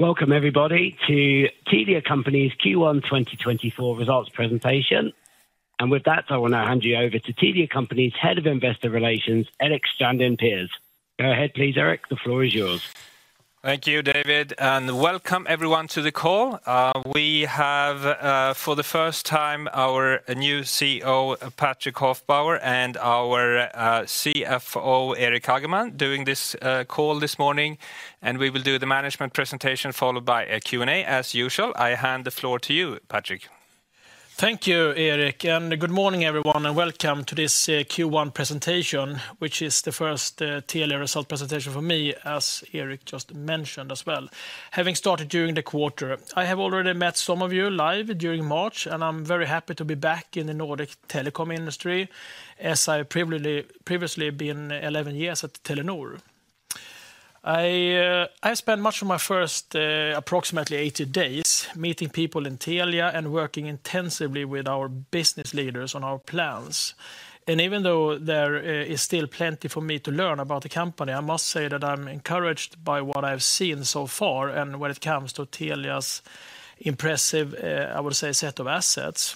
Welcome everybody to Telia Company's Q1 2024 results presentation. With that, I will now hand you over to Telia Company's Head of Investor Relations, Erik Strandin Pers. Go ahead, please, Erik. The floor is yours. Thank you, David, and welcome everyone to the call. We have, for the first time, our new CEO, Patrik Hofbauer, and our CFO, Eric Hageman, doing this call this morning, and we will do the management presentation, followed by a Q&A. As usual, I hand the floor to you, Patrik. Thank you, Erik, and good morning, everyone, and welcome to this Q1 presentation, which is the first Telia result presentation for me, as Erik just mentioned as well. Having started during the quarter, I have already met some of you live during March, and I'm very happy to be back in the Nordic telecom industry, as I previously, previously been 11 years at Telenor. I spent much of my first approximately 80 days meeting people in Telia and working intensively with our business leaders on our plans. Even though there is still plenty for me to learn about the company, I must say that I'm encouraged by what I've seen so far, and when it comes to Telia's impressive, I would say, set of assets,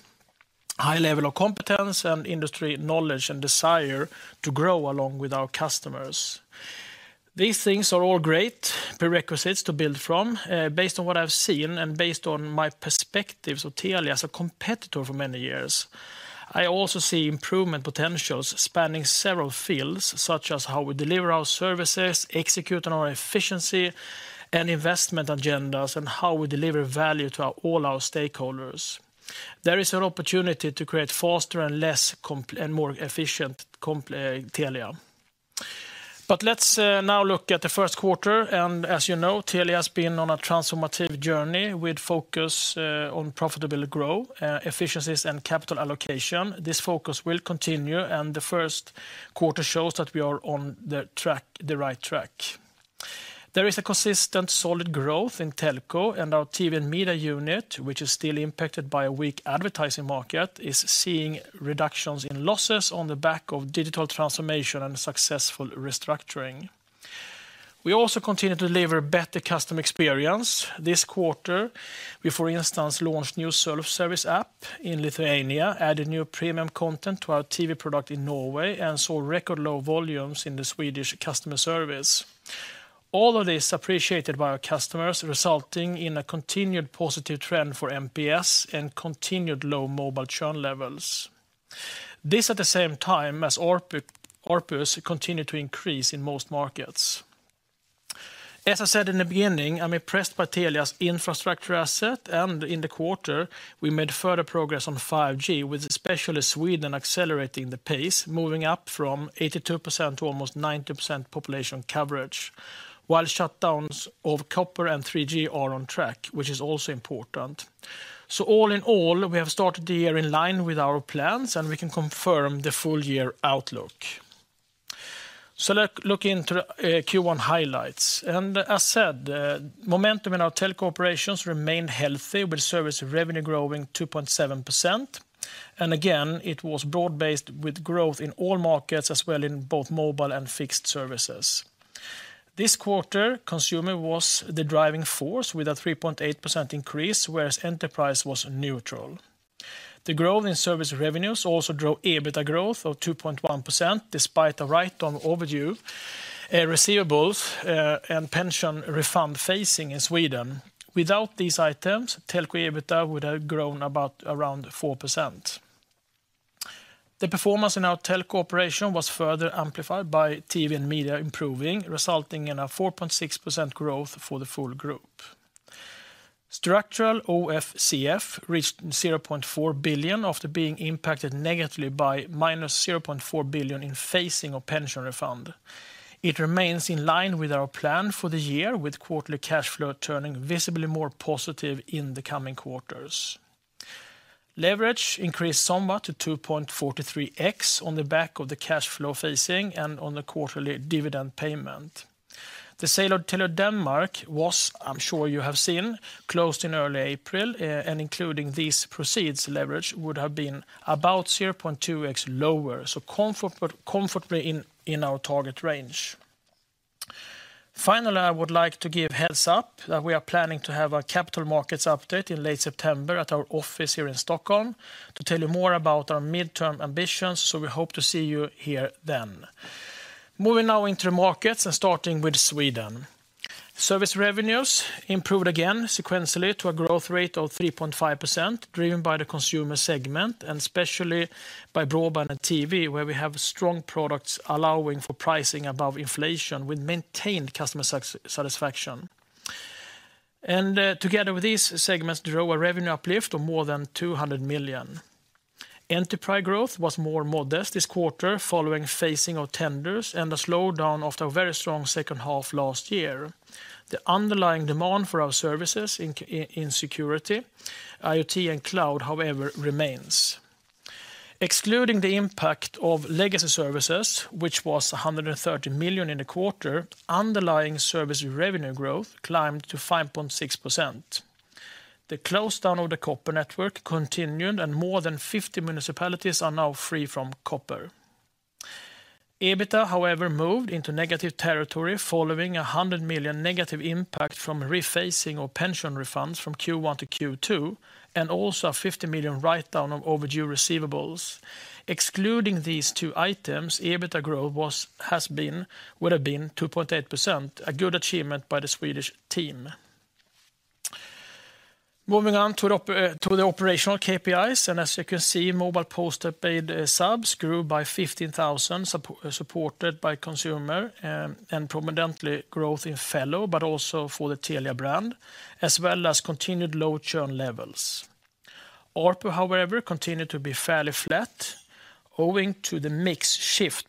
high level of competence and industry knowledge and desire to grow along with our customers. These things are all great prerequisites to build from. Based on what I've seen and based on my perspectives of Telia as a competitor for many years, I also see improvement potentials spanning several fields, such as how we deliver our services, execute on our efficiency and investment agendas, and how we deliver value to all our stakeholders. There is an opportunity to create faster and less complex and more efficient company, Telia. But let's now look at the first quarter, and as you know, Telia has been on a transformative journey with focus on profitable growth, efficiencies, and capital allocation. This focus will continue, and the first quarter shows that we are on the track, the right track. There is a consistent solid growth in Telco and our TV and Media unit, which is still impacted by a weak advertising market, is seeing reductions in losses on the back of digital transformation and successful restructuring. We also continue to deliver better customer experience. This quarter, we, for instance, launched new self-service app in Lithuania, added new premium content to our TV product in Norway, and saw record low volumes in the Swedish customer service. All of this appreciated by our customers, resulting in a continued positive trend for NPS and continued low mobile churn levels. This at the same time as ARPU, ARPUs continue to increase in most markets. As I said in the beginning, I'm impressed by Telia's infrastructure asset, and in the quarter, we made further progress on 5G, with especially Sweden accelerating the pace, moving up from 82% to almost 90% population coverage, while shutdowns of copper and 3G are on track, which is also important. So all in all, we have started the year in line with our plans, and we can confirm the full year outlook. So let look into the Q1 highlights. And as said, momentum in our telco operations remained healthy, with service revenue growing 2.7%. And again, it was broad-based, with growth in all markets, as well in both mobile and fixed services. This quarter, consumer was the driving force with a 3.8% increase, whereas enterprise was neutral. The growth in service revenues also drove EBITDA growth of 2.1%, despite the write-down of overdue receivables, and pension refund phasing in Sweden. Without these items, Telco EBITDA would have grown about around 4%. The performance in our Telco operation was further amplified by TV and Media improving, resulting in a 4.6% growth for the full group. Structural OFCF reached 0.4 billion after being impacted negatively by -0.4 billion in phasing of pension refund. It remains in line with our plan for the year, with quarterly cash flow turning visibly more positive in the coming quarters. Leverage increased somewhat to 2.43x on the back of the cash flow phasing and on the quarterly dividend payment. The sale of Telia Denmark was, I'm sure you have seen, closed in early April, and including these proceeds, leverage would have been about 0.2x lower, so comfortably in our target range. Finally, I would like to give heads-up that we are planning to have our capital markets update in late September at our office here in Stockholm to tell you more about our midterm ambitions, so we hope to see you here then. Moving now into the markets and starting with Sweden. Service revenues improved again, sequentially, to a growth rate of 3.5%, driven by the consumer segment and especially by broadband and TV, where we have strong products allowing for pricing above inflation with maintained customer satisfaction. And, together with these segments, drove a revenue uplift of more than 200 million. Enterprise growth was more modest this quarter, following phasing of tenders and a slowdown after a very strong second half last year. The underlying demand for our services in security, IoT, and cloud, however, remains. Excluding the impact of legacy services, which was 130 million in the quarter, underlying service revenue growth climbed to 5.6%. The close down of the copper network continued, and more than 50 municipalities are now free from copper. EBITDA, however, moved into negative territory following a 100 million negative impact from rephasing of pension refunds from Q1 to Q2, and also a 50 million write-down of overdue receivables. Excluding these two items, EBITDA growth was- has been, would have been 2.8%, a good achievement by the Swedish team. Moving on to the operational KPIs, and as you can see, mobile post-paid subs grew by 15,000, supported by consumer and predominantly growth in Fello, but also for the Telia brand, as well as continued low churn levels. ARPU, however, continued to be fairly flat, owing to the mix shift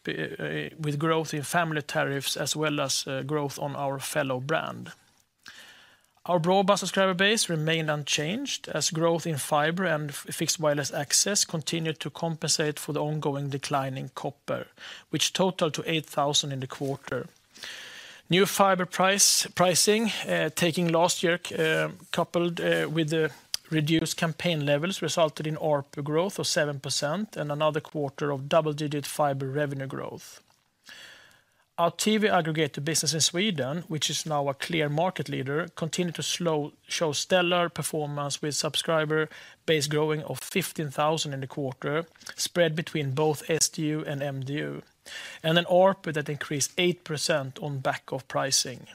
with growth in family tariffs as well as growth on our Fello brand. Our broadband subscriber base remained unchanged as growth in fiber and fixed wireless access continued to compensate for the ongoing decline in copper, which totaled to 8,000 in the quarter. New fiber pricing taking last year coupled with the reduced campaign levels resulted in ARPU growth of 7% and another quarter of double-digit fiber revenue growth. Our TV aggregator business in Sweden, which is now a clear market leader, continued to show stellar performance with subscriber base growing of 15,000 in the quarter, spread between both SDU and MDU, and an ARPU that increased 8% on back of pricing.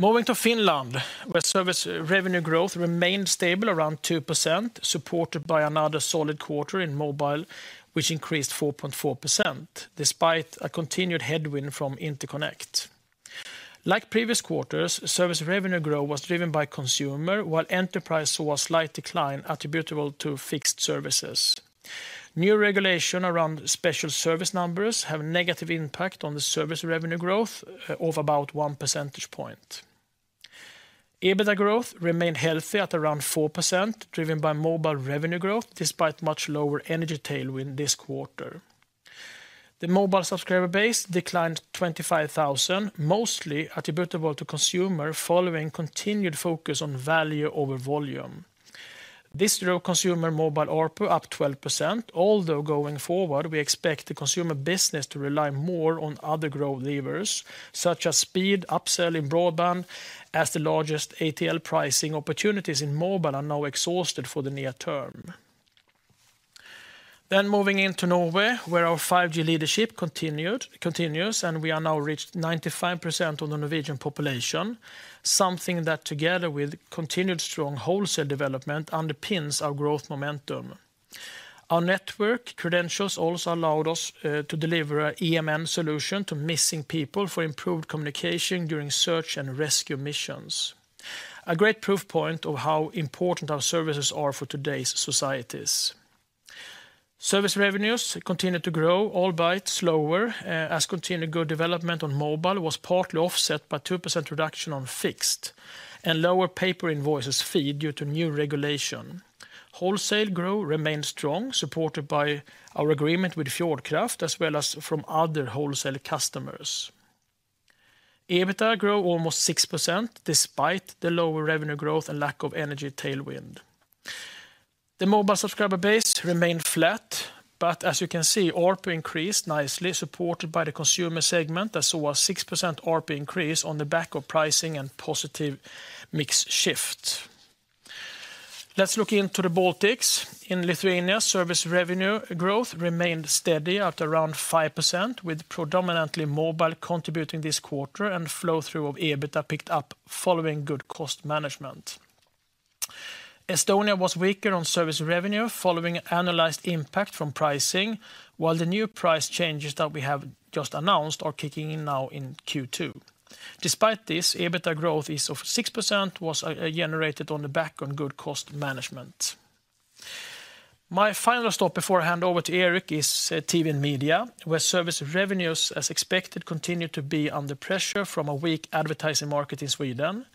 Moving to Finland, where service revenue growth remained stable around 2%, supported by another solid quarter in mobile, which increased 4.4%, despite a continued headwind from interconnect. Like previous quarters, service revenue growth was driven by consumer, while enterprise saw a slight decline attributable to fixed services. New regulation around special service numbers have negative impact on the service revenue growth, of about one percentage point. EBITDA growth remained healthy at around 4%, driven by mobile revenue growth, despite much lower energy tailwind this quarter. The mobile subscriber base declined 25,000, mostly attributable to consumer, following continued focus on value over volume. This drove consumer mobile ARPU up 12%, although going forward, we expect the consumer business to rely more on other growth levers, such as speed, upsell in broadband, as the largest ATL pricing opportunities in mobile are now exhausted for the near term. Then moving into Norway, where our 5G leadership continued, continues, and we are now reached 95% on the Norwegian population, something that, together with continued strong wholesale development, underpins our growth momentum. Our network credentials also allowed us to deliver a EMN solution to Missing People for improved communication during search and rescue missions. A great proof point of how important our services are for today's societies. Service revenues continued to grow, albeit slower, as continued good development on mobile was partly offset by 2% reduction on fixed and lower paper invoice fee due to new regulation. Wholesale growth remained strong, supported by our agreement with Fjordkraft, as well as from other wholesale customers. EBITDA grow almost 6%, despite the lower revenue growth and lack of energy tailwind. The mobile subscriber base remained flat, but as you can see, ARPU increased nicely, supported by the consumer segment that saw a 6% ARPU increase on the back of pricing and positive mix shift. Let's look into the Baltics. In Lithuania, service revenue growth remained steady at around 5%, with predominantly mobile contributing this quarter, and flow-through of EBITDA picked up following good cost management. Estonia was weaker on service revenue, following annualized impact from pricing, while the new price changes that we have just announced are kicking in now in Q2. Despite this, EBITDA growth is of 6%, was generated on the back on good cost management. My final stop before I hand over to Eric is TV and Media, where service revenues, as expected, continue to be under pressure from a weak advertising market in Sweden.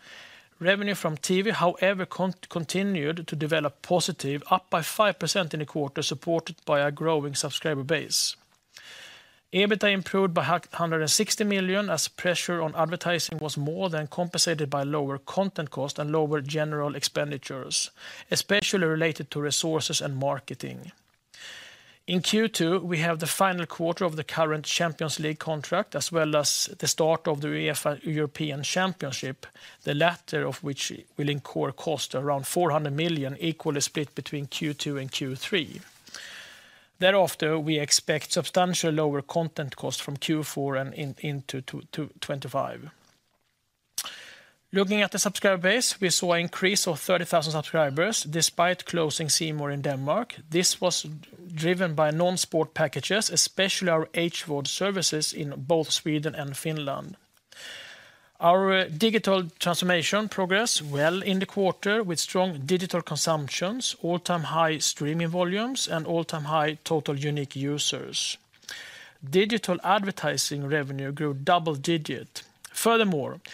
Revenue from TV, however, continued to develop positive, up by 5% in the quarter, supported by a growing subscriber base. EBITDA improved by 160 million, as pressure on advertising was more than compensated by lower content cost and lower general expenditures, especially related to resources and marketing. In Q2, we have the final quarter of the current Champions League contract, as well as the start of the UEFA European Championship, the latter of which will incur cost around 400 million, equally split between Q2 and Q3. Thereafter, we expect substantial lower content costs from Q4 and into 2025. Looking at the subscriber base, we saw an increase of 30,000 subscribers, despite closing C More in Denmark. This was driven by non-sport packages, especially our HVOD services in both Sweden and Finland. Our digital transformation progressed well in the quarter, with strong digital consumptions, all-time high streaming volumes, and all-time high total unique users. Digital advertising revenue grew double-digit. Furthermore, we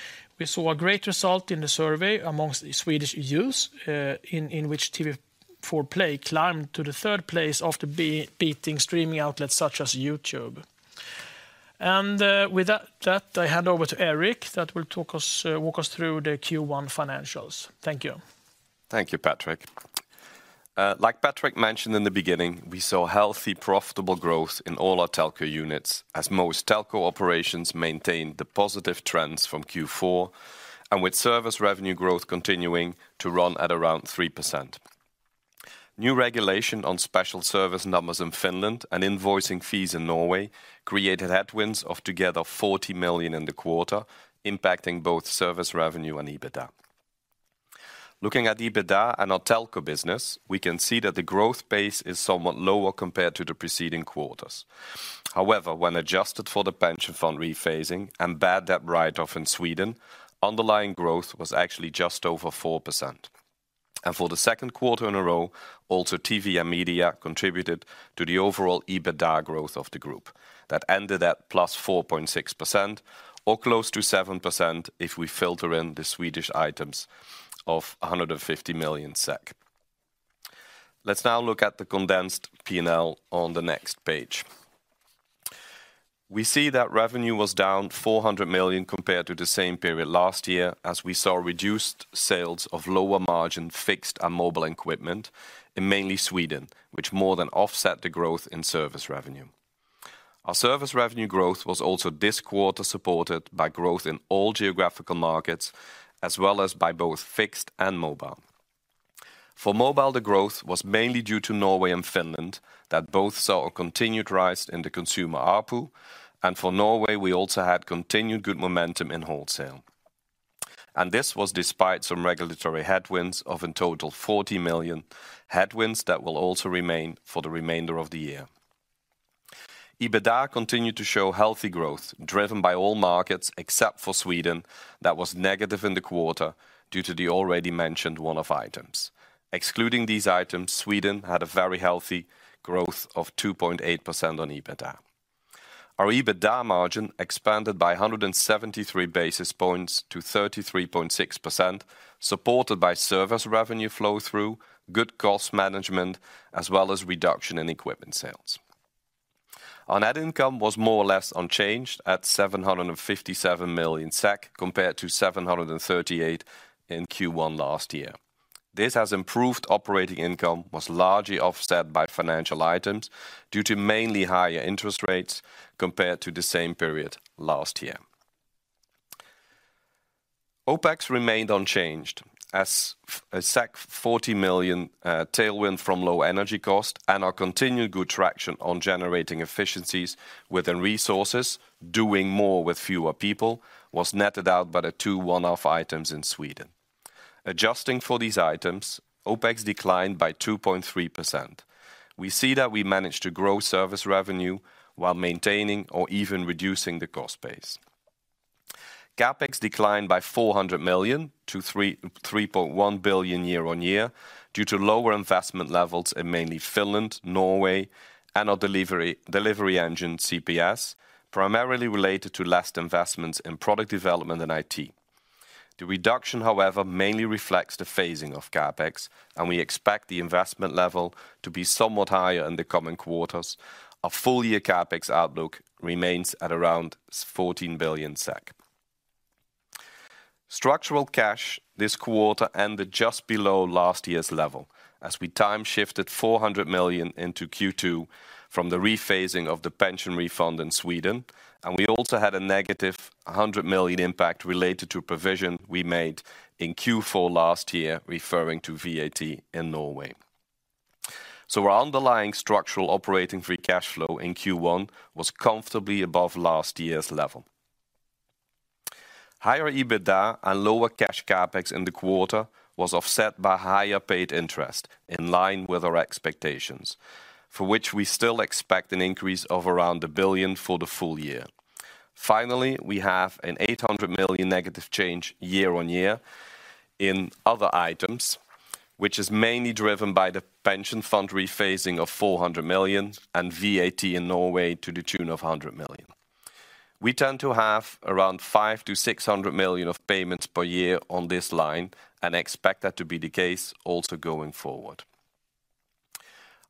saw a great result in the survey among Swedish youth, in which TV4 Play climbed to the third place after beating streaming outlets such as YouTube. With that, I hand over to Eric, that will walk us through the Q1 financials. Thank you. Thank you, Patrik. Like Patrik mentioned in the beginning, we saw healthy, profitable growth in all our telco units, as most telco operations maintained the positive trends from Q4, and with service revenue growth continuing to run at around 3%. New regulation on special service numbers in Finland and invoicing fees in Norway created headwinds of together 40 million in the quarter, impacting both service revenue and EBITDA. Looking at EBITDA and our telco business, we can see that the growth base is somewhat lower compared to the preceding quarters. However, when adjusted for the pension fund rephasing and bad debt write-off in Sweden, underlying growth was actually just over 4%. And for the second quarter in a row, also TV and Media contributed to the overall EBITDA growth of the group. That ended at +4.6%, or close to 7%, if we filter in the Swedish items of 150 million SEK. Let's now look at the condensed P&L on the next page. We see that revenue was down 400 million compared to the same period last year, as we saw reduced sales of lower margin fixed and mobile equipment in mainly Sweden, which more than offset the growth in service revenue. Our service revenue growth was also this quarter, supported by growth in all geographical markets, as well as by both fixed and mobile. For mobile, the growth was mainly due to Norway and Finland, that both saw a continued rise in the consumer ARPU, and for Norway, we also had continued good momentum in wholesale. This was despite some regulatory headwinds of in total 40 million headwinds that will also remain for the remainder of the year. EBITDA continued to show healthy growth, driven by all markets except for Sweden, that was negative in the quarter due to the already mentioned one-off items. Excluding these items, Sweden had a very healthy growth of 2.8% on EBITDA. Our EBITDA margin expanded by 173 basis points to 33.6%, supported by service revenue flow-through, good cost management, as well as reduction in equipment sales. Our net income was more or less unchanged at 757 million SEK, compared to 738 million in Q1 last year. This, as improved operating income was largely offset by financial items due to mainly higher interest rates compared to the same period last year. OpEx remained unchanged as a 40 million tailwind from low energy cost and our continued good traction on generating efficiencies within resources, doing more with fewer people, was netted out by the two one-off items in Sweden. Adjusting for these items, OpEx declined by 2.3%. We see that we managed to grow service revenue while maintaining or even reducing the cost base. CapEx declined by 400 million to 3.1 billion year-on-year, due to lower investment levels in mainly Finland, Norway, and our delivery engine, CPS, primarily related to less investments in product development and IT. The reduction, however, mainly reflects the phasing of CapEx, and we expect the investment level to be somewhat higher in the coming quarters. Our full-year CapEx outlook remains at around 14 billion SEK. Structural cash this quarter ended just below last year's level, as we time shifted 400 million into Q2 from the rephasing of the pension refund in Sweden, and we also had a -100 million impact related to provision we made in Q4 last year, referring to VAT in Norway. So our underlying structural operating free cash flow in Q1 was comfortably above last year's level. Higher EBITDA and lower cash CapEx in the quarter was offset by higher paid interest, in line with our expectations, for which we still expect an increase of around 1 billion for the full year. Finally, we have an 800 million negative change year-on-year in other items, which is mainly driven by the pension fund rephasing of 400 million and VAT in Norway to the tune of 100 million. We tend to have around 500 million-600 million of payments per year on this line and expect that to be the case also going forward.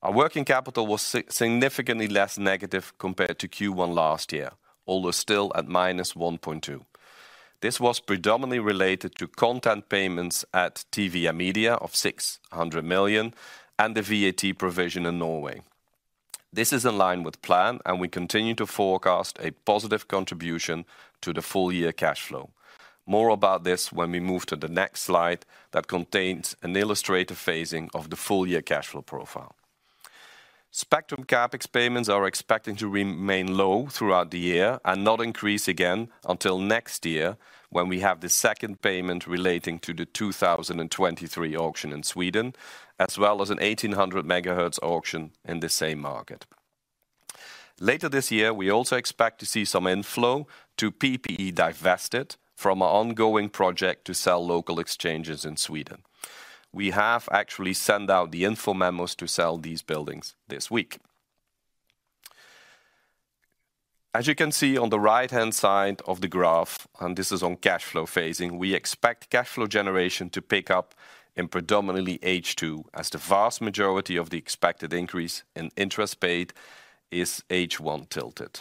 Our working capital was significantly less negative compared to Q1 last year, although still at -1.2 billion. This was predominantly related to content payments at TV and Media of 600 million and the VAT provision in Norway. This is in line with plan, and we continue to forecast a positive contribution to the full-year cash flow. More about this when we move to the next slide that contains an illustrative phasing of the full-year cash flow profile. Spectrum CapEx payments are expecting to remain low throughout the year and not increase again until next year, when we have the second payment relating to the 2023 auction in Sweden, as well as an 1800 megahertz auction in the same market. Later this year, we also expect to see some inflow to PPE divested from our ongoing project to sell local exchanges in Sweden. We have actually sent out the info memos to sell these buildings this week. As you can see on the right-hand side of the graph, and this is on cash flow phasing, we expect cash flow generation to pick up in predominantly H2, as the vast majority of the expected increase in interest paid is H1 tilted.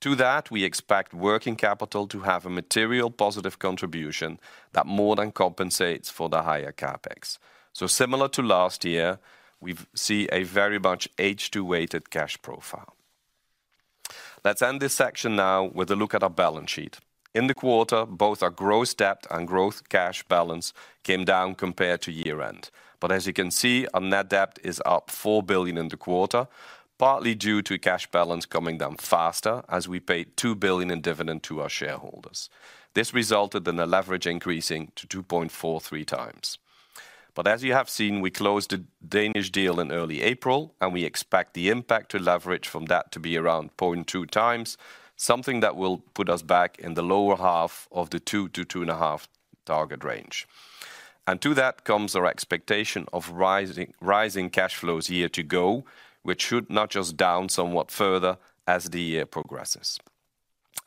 To that, we expect working capital to have a material positive contribution that more than compensates for the higher CapEx. So similar to last year, we've seen a very much H2-weighted cash profile. Let's end this section now with a look at our balance sheet. In the quarter, both our gross debt and gross cash balance came down compared to year-end. But as you can see, our net debt is up 4 billion in the quarter, partly due to cash balance coming down faster as we paid 2 billion in dividend to our shareholders. This resulted in the leverage increasing to 2.43 times. But as you have seen, we closed the Danish deal in early April, and we expect the impact to leverage from that to be around 0.2 times, something that will put us back in the lower half of the 2-2.5 target range. To that comes our expectation of rising cash flows year-over-year, which should not go down somewhat further as the year progresses.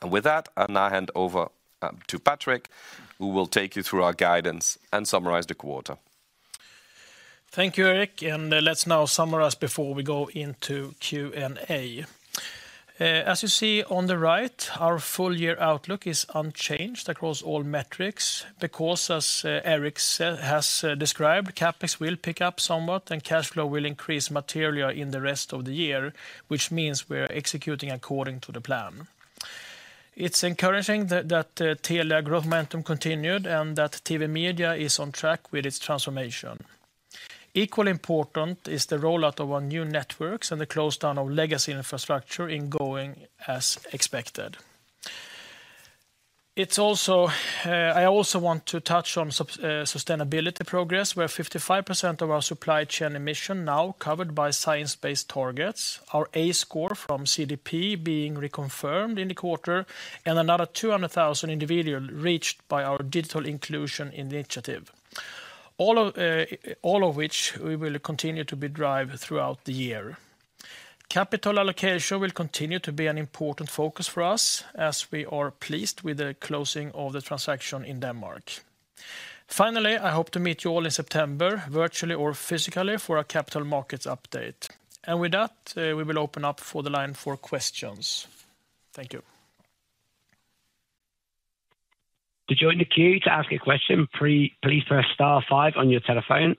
With that, I'll now hand over to Patrik, who will take you through our guidance and summarize the quarter. Thank you, Eric, and let's now summarize before we go into Q&A. As you see on the right, our full year outlook is unchanged across all metrics. Because, as Eric has described, CapEx will pick up somewhat, and cash flow will increase materially in the rest of the year, which means we're executing according to the plan. It's encouraging that Telia growth momentum continued and that TV media is on track with its transformation. Equally important is the rollout of our new networks and the close down of legacy infrastructure is going as expected. It's also, I also want to touch on sustainability progress, where 55% of our supply chain emission now covered by science-based targets. Our A score from CDP being reconfirmed in the quarter, and another 200,000 individual reached by our digital inclusion initiative. All of, all of which we will continue to be drive throughout the year. Capital allocation will continue to be an important focus for us, as we are pleased with the closing of the transaction in Denmark. Finally, I hope to meet you all in September, virtually or physically, for a capital markets update. And with that, we will open up for the line for questions. Thank you. To join the queue to ask a question, please press star five on your telephone.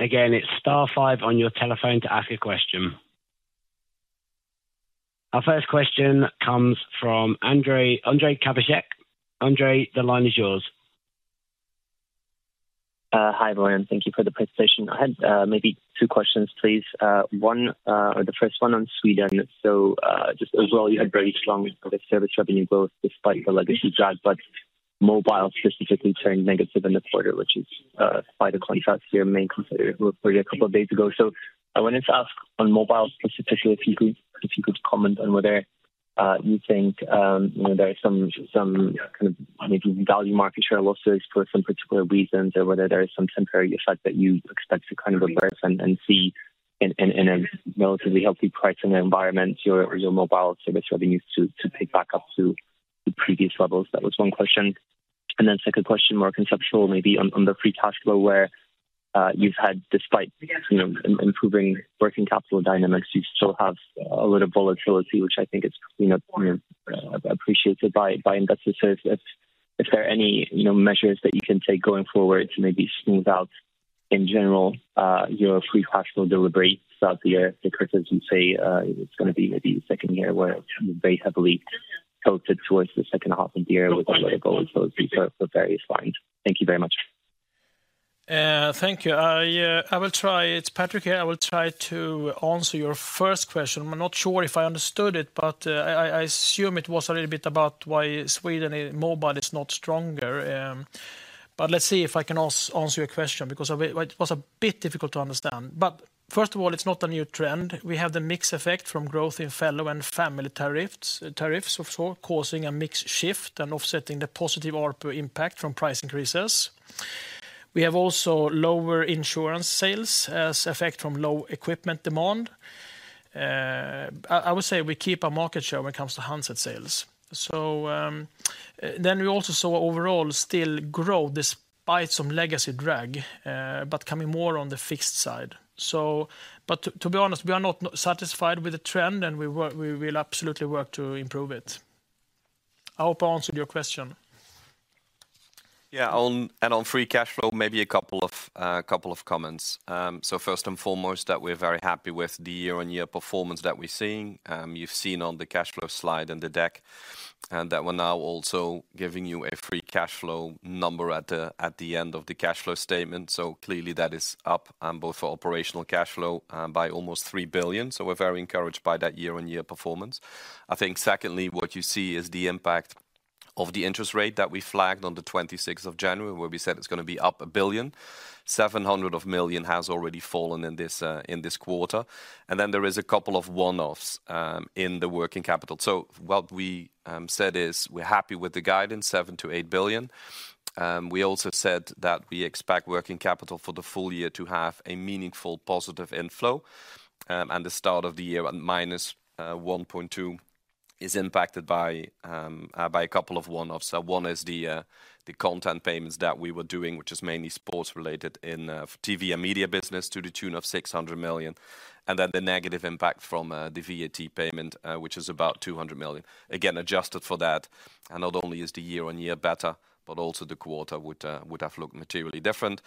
Again, it's star five on your telephone to ask a question. Our first question comes from Ondrej, Ondrej Cabejšek. Ondrej, the line is yours. Hi, everyone, and thank you for the presentation. I had maybe two questions, please. One, or the first one on Sweden. So, just as well, you had very strong service revenue growth despite the legacy drag, but mobile specifically turned negative in the quarter, which is by contrast to your main competitor a couple of days ago. So I wanted to ask on mobile specifically, if you could comment on whether you think, you know, there are some kind of maybe value market share losses for some particular reasons, or whether there is some temporary effect that you expect to kind of reverse and see in a relatively healthy pricing environment, your mobile service revenues to pick back up to the previous levels. That was one question. And then second question, more conceptual, maybe on the free cash flow, where you've had, despite, you know, improving working capital dynamics, you still have a lot of volatility, which I think is, you know, appreciated by investors. If there are any, you know, measures that you can take going forward to maybe smooth out in general your free cash flow delivery throughout the year. Because as you say, it's gonna be maybe the second year where it's very heavily tilted towards the second half of the year with a lot of goals for various clients. Thank you very much. Thank you. I will try... It's Patrik here. I will try to answer your first question. I'm not sure if I understood it, but I assume it was a little bit about why Sweden mobile is not stronger. But let's see if I can answer your question, because it was a bit difficult to understand. But first of all, it's not a new of the interest rate that we flagged on the twenty-sixth of January, where we said it's gonna be up 1 billion. Seven hundred million has already fallen in this quarter. And then there is a couple of one-offs in the working capital. So what we said is, we're happy with the guidance, 7 billion-8 billion. We also said that we expect working capital for the full year to have a meaningful positive inflow. The start of the year, -1.2 billion is impacted by a couple of one-offs. One is the content payments that we were doing, which is mainly sports related in TV and Media business, to the tune of 600 million... and then the negative impact from the VAT payment, which is about 200 million. Again, adjusted for that, and not only is the year-on-year better, but also the quarter would have looked materially different.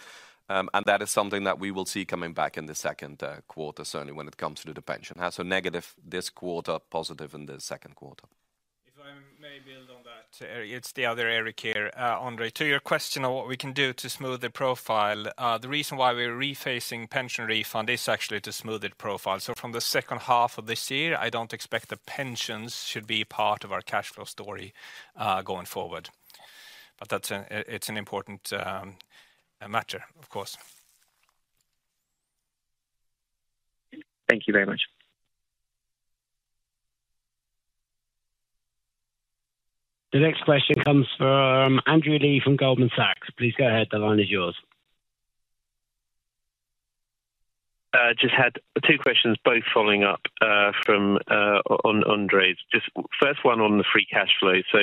That is something that we will see coming back in the second quarter, certainly when it comes to the pension. Negative this quarter, positive in the second quarter. If I may build on that, Eric. It's the other Erik here. Andre, to your question on what we can do to smooth the profile, the reason why we're rephasing pension refund is actually to smooth it profile. So from the second half of this year, I don't expect the pensions should be part of our cash flow story, going forward. But that's, it's an important, matter, of course. Thank you very much. The next question comes from Andrew Lee from Goldman Sachs. Please go ahead. The line is yours. Just had two questions, both following up from on Andre. Just first one on the free cash flow. So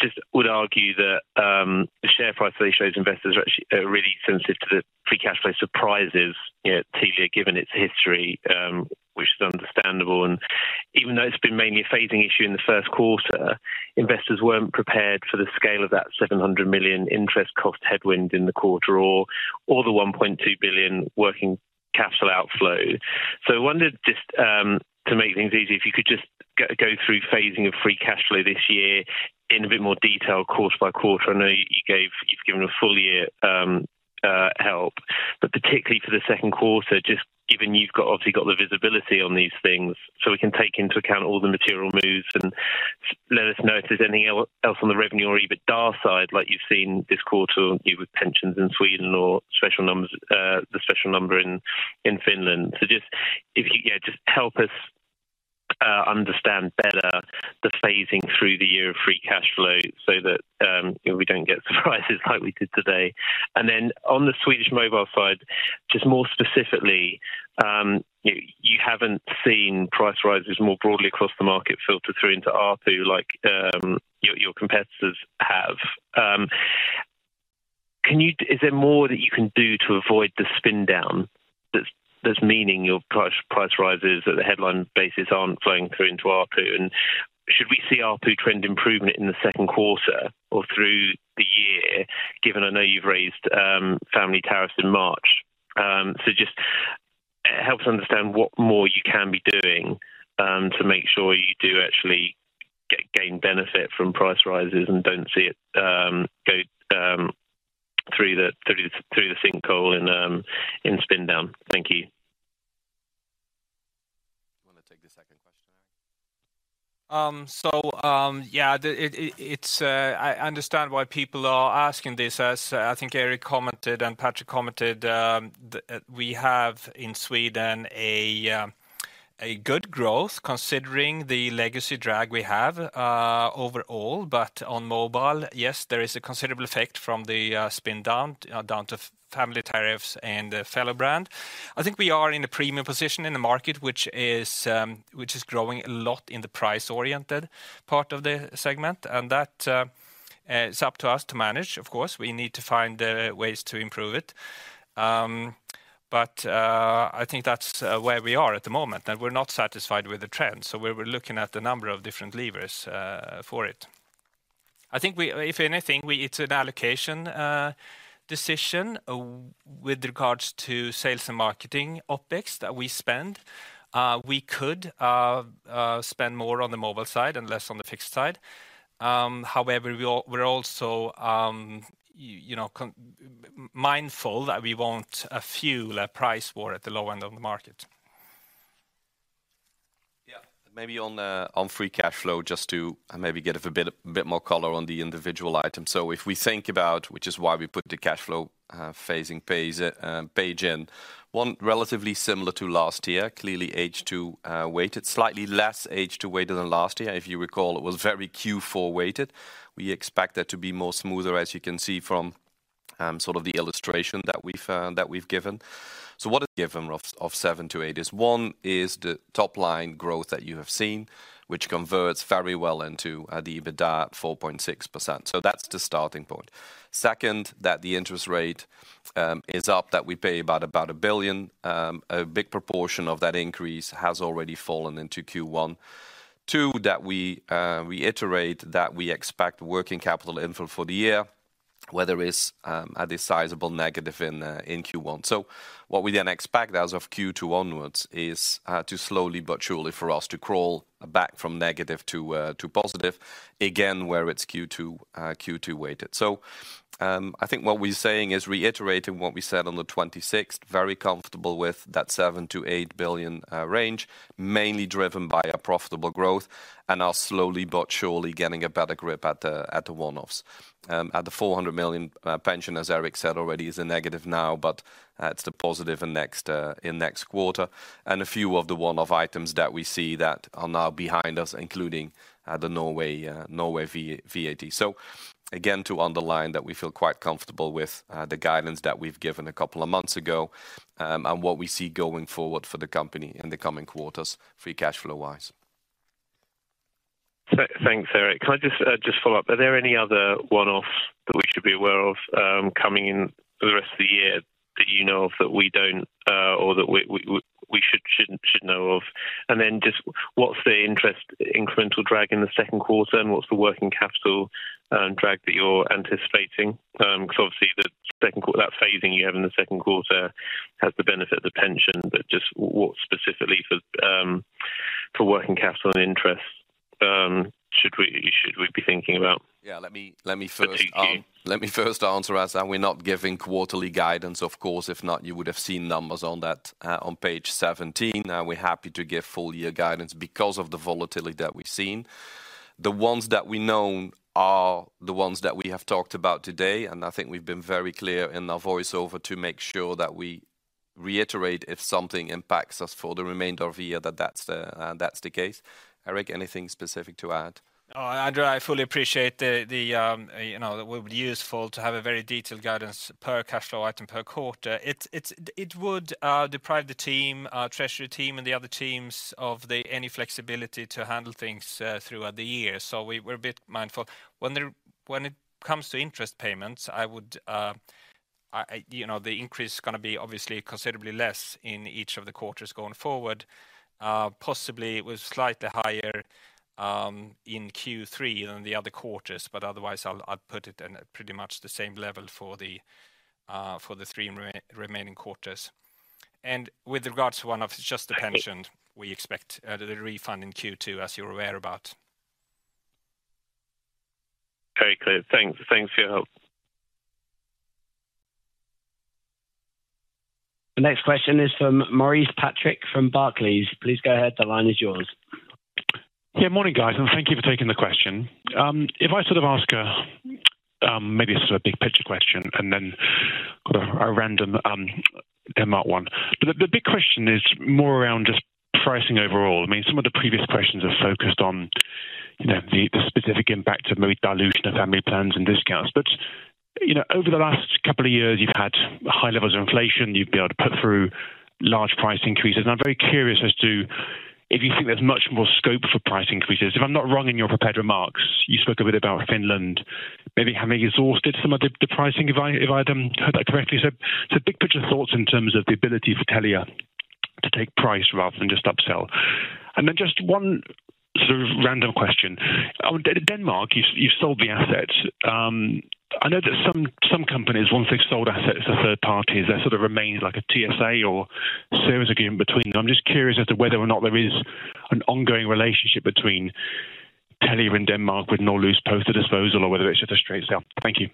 just would argue that the share price shows investors are actually really sensitive to the free cash flow surprises, you know, Telia, given its history, which is understandable. Even though it's been mainly a phasing issue in the first quarter, investors weren't prepared for the scale of that 700 million interest cost headwind in the quarter or the 1.2 billion working capital outflow. So I wondered, just, to make things easy, if you could just go, go through phasing of free cash flow this year in a bit more detail, quarter by quarter. I know you've given a full year, but particularly for the second quarter, just given you've got, obviously got the visibility on these things, so we can take into account all the material moves and let us know if there's anything else on the revenue or even downside, like you've seen this quarter with pensions in Sweden or special numbers, the special number in Finland. So just if you, yeah, just help us, understand better the phasing through the year of free cash flow so that, you know, we don't get surprises like we did today. And then on the Swedish mobile side, just more specifically, you know, you haven't seen price rises more broadly across the market filter through into ARPU, like, your competitors have. Is there more that you can do to avoid the spin down? That's, that's meaning your price, price rises at the headline basis aren't flowing through into ARPU. Should we see ARPU trend improvement in the second quarter or through the year, given I know you've raised family tariffs in March? So just, it helps understand what more you can be doing to make sure you do actually get gain benefit from price rises and don't see it go through the sinkhole in spin down. Thank you. You want to take the second question, Erik? So, yeah, it's, I understand why people are asking this. As I think Eric commented and Patrik commented, we have in Sweden a good growth, considering the legacy drag we have overall. But on mobile, yes, there is a considerable effect from the spin down to family tariffs and the Fello brand. I think we are in a premium position in the market, which is growing a lot in the price-oriented part of the segment, and that's up to us to manage, of course. We need to find the ways to improve it. But, I think that's where we are at the moment, and we're not satisfied with the trend, so we're looking at a number of different levers for it. I think if anything, it's an allocation decision with regards to sales and marketing OpEx that we spend. We could spend more on the mobile side and less on the fixed side. However, we're also, you know, mindful that we want to avoid a price war at the low end of the market. Yeah. Maybe on the, on free cash flow, just to maybe get a bit more color on the individual items. So if we think about, which is why we put the cash flow phasing page in, one, relatively similar to last year, clearly H2 weighted, slightly less H2 weighted than last year. If you recall, it was very Q4 weighted. We expect that to be more smoother, as you can see from, sort of the illustration that we've that we've given. So what is given of 7-8 is, one, is the top line growth that you have seen, which converts very well into the EBITDA 4.6%. So that's the starting point. Second, that the interest rate is up, that we pay about 1 billion. A big proportion of that increase has already fallen into Q1 too, that we reiterate that we expect working capital inflow for the year, where there is a discernible negative in in Q1. So what we then expect as of Q2 onwards is to slowly but surely for us to crawl back from negative to to positive again, where it's Q2 Q2 weighted. So I think what we're saying is reiterating what we said on the 26th, very comfortable with that 7-8 billion range, mainly driven by a profitable growth and are slowly but surely getting a better grip at the at the one-offs. At the 400 million pension, as Eric said already, is a negative now, but it's the positive in next in next quarter. And a few of the one-off items that we see that are now behind us, including the Norway VAT. So again, to underline that we feel quite comfortable with the guidance that we've given a couple of months ago, and what we see going forward for the company in the coming quarters, free cash flow-wise. Thanks, Eric. Can I just follow up? Are there any other one-offs that we should be aware of, coming in for the rest of the year that you know of, that we don't, or that we should know of? And then just what's the interest incremental drag in the second quarter, and what's the working capital drag that you're anticipating? Because obviously, the second quarter, that phasing you have in the second quarter has the benefit of the pension, but just what specifically for working capital and interest should we be thinking about? Yeah, let me, let me first, Thank you. Let me first answer as, and we're not giving quarterly guidance, of course, if not, you would have seen numbers on that, on page 17. Now, we're happy to give full year guidance because of the volatility that we've seen. The ones that we know are the ones that we have talked about today, and I think we've been very clear in our voice over to make sure that we reiterate if something impacts us for the remainder of the year, that that's the, that's the case. Erik, anything specific to add? Oh, Andrew, I fully appreciate you know, that would be useful to have a very detailed guidance per cash flow item per quarter. It would deprive the team, our treasury team and the other teams of the any flexibility to handle things throughout the year. So we're a bit mindful. When it comes to interest payments, I would you know, the increase is gonna be obviously considerably less in each of the quarters going forward. Possibly, it was slightly higher in Q3 than the other quarters, but otherwise, I'd put it in pretty much the same level for the three remaining quarters. And with regards to one of just the pension, we expect the refund in Q2, as you're aware about. Very clear. Thanks, thanks for your help. The next question is from Maurice Patrick from Barclays. Please go ahead. The line is yours. Yeah, morning, guys, and thank you for taking the question. If I sort of ask a, maybe this is a big picture question and then got a random, MR one. But the big question is more around just pricing overall. I mean, some of the previous questions are focused on, you know, the specific impact of dilution and family plans and discounts. But, you know, over the last couple of years, you've had high levels of inflation. You've been able to put through large price increases. I'm very curious as to if you think there's much more scope for price increases. If I'm not wrong in your prepared remarks, you spoke a bit about Finland, maybe having exhausted some of the pricing, if I, if I heard that correctly. So, so big picture thoughts in terms of the ability for Telia to take price rather than just upsell. And then just one sort of random question. On Denmark, you sold the assets. I know that some companies, once they've sold assets to third parties, there sort of remains like a TSA or service agreement between them. I'm just curious as to whether or not there is an ongoing relationship between Telia in Denmark with Norlys post-disposal or whether it's just a straight sale. Thank you.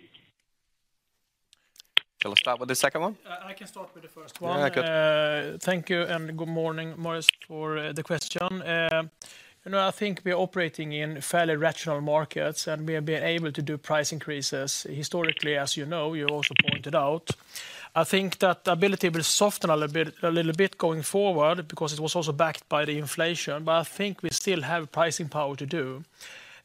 You wanna start with the second one? I can start with the first one. Yeah, good. Thank you and good morning, Maurice, for the question. You know, I think we're operating in fairly rational markets, and we have been able to do price increases historically, as you know, you also pointed out. I think that ability will soften a little bit, a little bit going forward because it was also backed by the inflation, but I think we still have pricing power to do.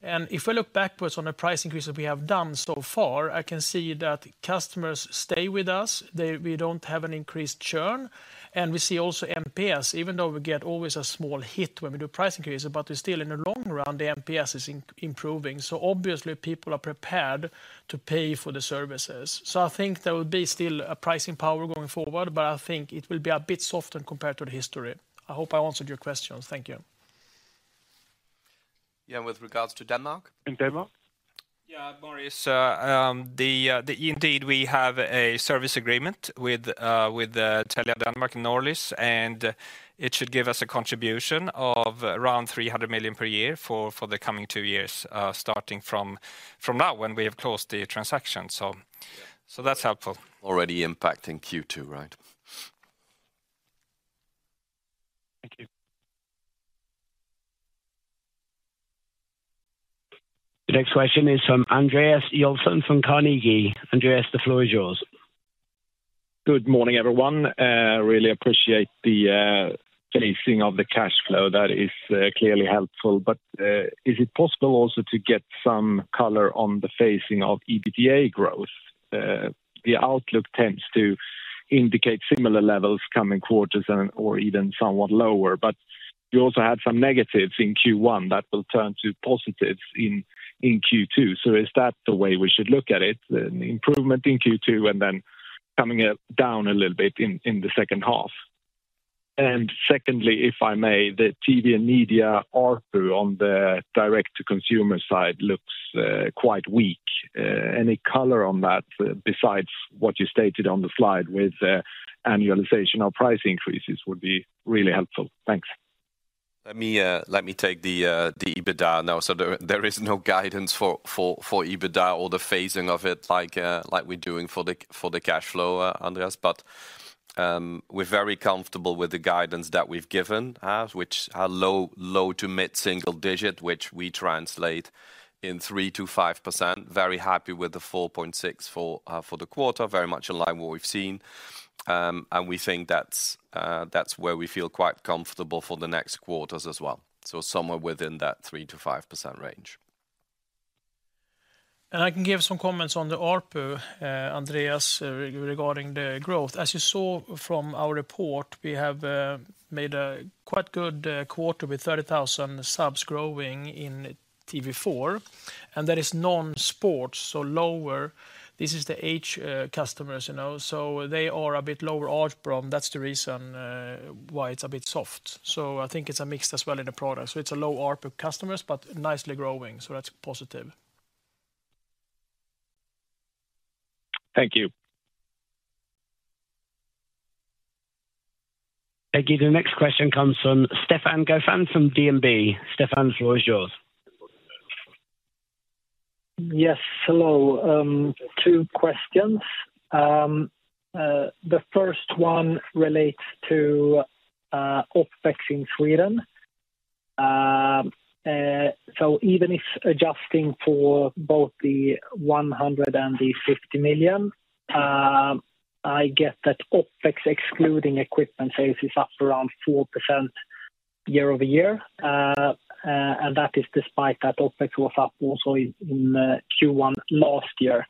And if we look backwards on the price increases we have done so far, I can see that customers stay with us. We don't have an increased churn, and we see also NPS, even though we get always a small hit when we do price increase, but we're still in the long run, the NPS is improving. So obviously people are prepared to pay for the services. So I think there will be still a pricing power going forward, but I think it will be a bit softer compared to the history. I hope I answered your questions. Thank you. Yeah, with regards to Denmark? In Denmark. Yeah, Maurice, indeed, we have a service agreement with Telia Denmark, Norlys, and it should give us a contribution of around 300 million per year for the coming two years, starting from now, when we have closed the transaction. So that's helpful. Already impacting Q2, right? Thank you. The next question is from Andreas Joelsson from Carnegie. Andreas, the floor is yours. Good morning, everyone. Really appreciate the easing of the cash flow. That is clearly helpful. But is it possible also to get some color on the phasing of EBITDA growth? The outlook tends to indicate similar levels coming quarters and/or even somewhat lower, but you also had some negatives in Q1 that will turn to positives in Q2. So is that the way we should look at it, an improvement in Q2 and then coming down a little bit in the second half? And secondly, if I may, the TV and Media ARPU on the direct-to-consumer side looks quite weak. Any color on that, besides what you stated on the slide with annualization of price increases, would be really helpful. Thanks. Let me take the EBITDA now. So there is no guidance for EBITDA or the phasing of it, like we're doing for the cash flow, Andreas. But we're very comfortable with the guidance that we've given, which are low to mid-single digit, which we translate in 3%-5%. Very happy with the 4.6% for the quarter. Very much in line with what we've seen. And we think that's where we feel quite comfortable for the next quarters as well. So somewhere within that 3%-5% range. I can give some comments on the ARPU, Andreas, regarding the growth. As you saw from our report, we have made a quite good quarter with 30,000 subs growing in TV4, and that is non-sport, so lower. This is the H customers, you know, so they are a bit lower ARPU. That's the reason why it's a bit soft. So I think it's a mix as well in the product. So it's a low ARPU customers, but nicely growing, so that's positive. Thank you. Thank you. The next question comes from Stefan Gauffin from DNB. Stefan, the floor is yours. Yes, hello. Two questions. The first one relates to OpEx in Sweden. So even if adjusting for both the 100 million and the 50 million, I get that OpEx, excluding equipment sales, is up around 4% year-over-year. And that is despite that OpEx was up also in Q1 last year.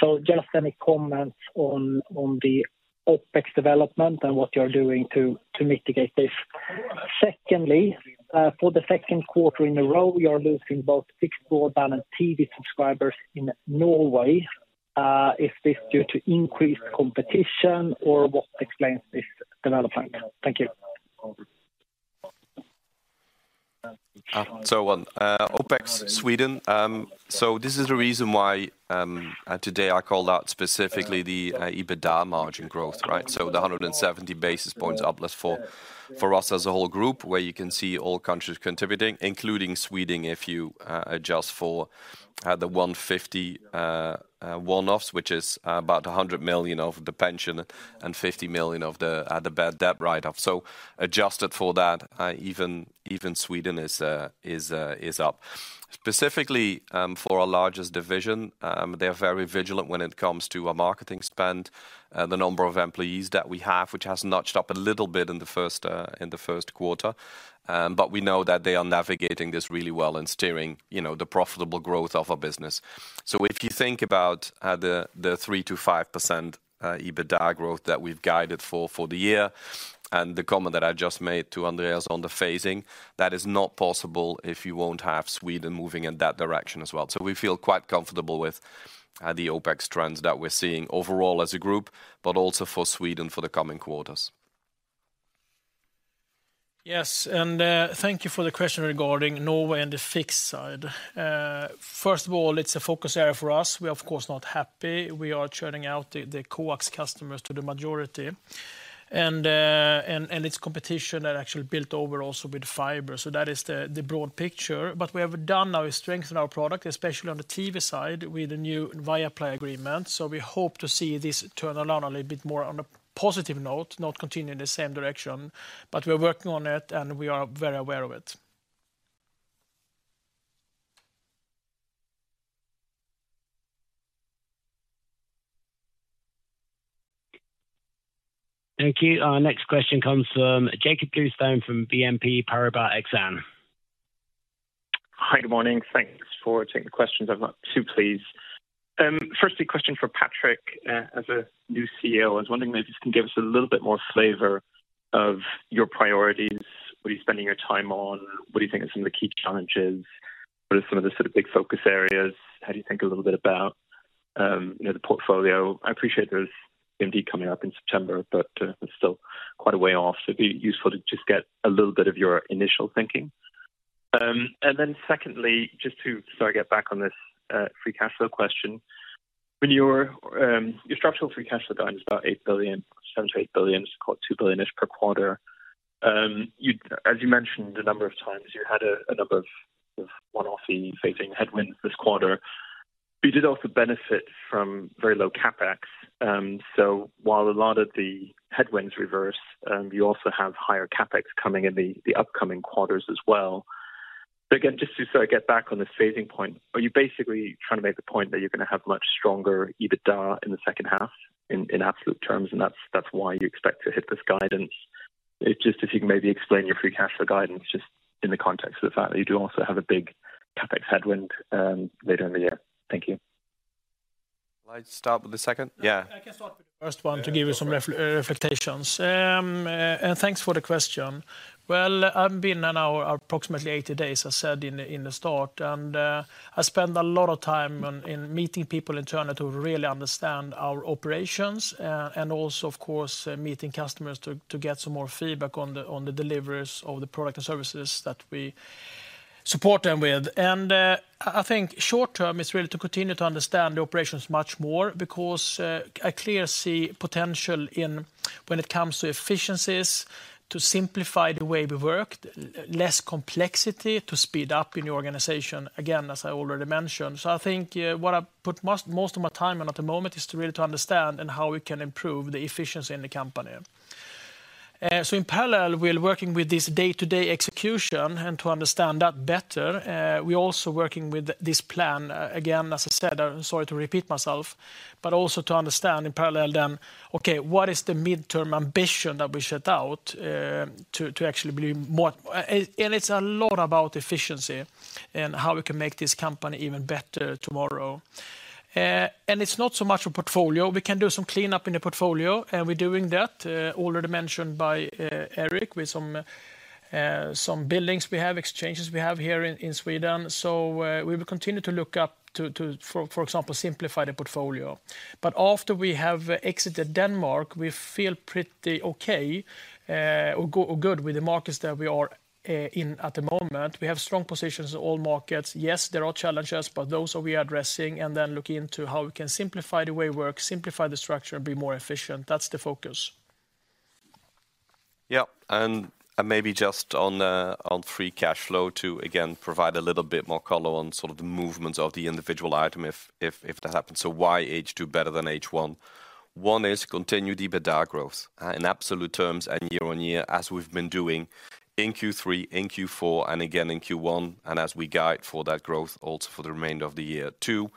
So just any comments on the OpEx development and what you're doing to mitigate this? Secondly, for the second quarter in a row, you are losing both fixed broadband and TV subscribers in Norway. Is this due to increased competition, or what explains this development? Thank you. So on OpEx Sweden, so this is the reason why, today I called out specifically the EBITDA margin growth, right? So the 170 basis points uplift for us as a whole group, where you can see all countries contributing, including Sweden, if you adjust for the 150 one-offs, which is about 100 million of the pension and 50 million of the bad debt write-off. So adjusted for that, even Sweden is up. Specifically, for our largest division, they're very vigilant when it comes to our marketing spend, the number of employees that we have, which has notched up a little bit in the first quarter. But we know that they are navigating this really well and steering, you know, the profitable growth of our business. So if you think about, the three to five percent, EBITDA growth that we've guided for, for the year, and the comment that I just made to Andreas on the phasing, that is not possible if you won't have Sweden moving in that direction as well. So we feel quite comfortable with, the OpEx trends that we're seeing overall as a group, but also for Sweden for the coming quarters. Yes, and thank you for the question regarding Norway and the fixed side. First of all, it's a focus area for us. We're, of course, not happy. We are churning out the coax customers to the majority. And it's competition that actually built over also with fiber. So that is the broad picture. What we have done now is strengthen our product, especially on the TV side, with the new Viaplay agreement. So we hope to see this turn around a little bit more on a positive note, not continue in the same direction, but we're working on it, and we are very aware of it. Thank you. Our next question comes from Jakob Bluestone from BNP Paribas Exane. Hi, good morning. Thanks for taking the questions. I've got two, please. Firstly, question for Patrik. As a new CEO, I was wondering if you can give us a little bit more flavor of your priorities. What are you spending your time on? What do you think are some of the key challenges? What are some of the sort of big focus areas? How do you think a little bit about, you know, the portfolio? I appreciate there's indeed coming up in September, but it's still quite a way off. So it'd be useful to just get a little bit of your initial thinking. And then secondly, just to sort of get back on this, free cash flow question. When your, your structural free cash flow guidance is about 8 billion, 7-8 billion, it's about 2 billion-ish per quarter. You, as you mentioned, a number of times, you had a number of one-off facing headwinds this quarter. You did also benefit from very low CapEx. So while a lot of the headwinds reverse, you also have higher CapEx coming in the upcoming quarters as well. So again, just to sort of get back on this phasing point, are you basically trying to make the point that you're gonna have much stronger EBITDA in the second half in absolute terms, and that's why you expect to hit this guidance? Just if you can maybe explain your free cash flow guidance, just in the context of the fact that you do also have a big CapEx headwind later in the year. Thank you. Well, I'd start with the second. Yeah. I can start with the first one to give you some reflections. Thanks for the question. Well, I've been here approximately 80 days, as said in the start, and I spent a lot of time internally meeting people in Telia to really understand our operations, and also, of course, meeting customers to get some more feedback on the deliveries of the product and services that we support them with. And I think short term is really to continue to understand the operations much more, because I clearly see potential in when it comes to efficiencies, to simplify the way we work, less complexity, to speed up in the organization, again, as I already mentioned. So I think, what I put most, most of my time in at the moment is to really to understand and how we can improve the efficiency in the company. So in parallel, we're working with this day-to-day execution and to understand that better. We're also working with this plan, again, as I said, I'm sorry to repeat myself, but also to understand in parallel then, okay, what is the midterm ambition that we set out, to, to actually be more... And, and it's a lot about efficiency and how we can make this company even better tomorrow... And it's not so much a portfolio. We can do some cleanup in the portfolio, and we're doing that, already mentioned by, Eric, with some, some buildings we have, exchanges we have here in, in Sweden. So, we will continue to look to, for example, simplify the portfolio. But after we have exited Denmark, we feel pretty okay, or good with the markets that we are in at the moment. We have strong positions in all markets. Yes, there are challenges, but those we are addressing, and then looking into how we can simplify the way work, simplify the structure, and be more efficient. That's the focus. Yeah, maybe just on free cash flow to again provide a little bit more color on sort of the movements of the individual item, if that happens. So why H2 better than H1? One is continued EBITDA growth in absolute terms and year-on-year, as we've been doing in Q3, in Q4, and again in Q1, and as we guide for that growth also for the remainder of the year. Two,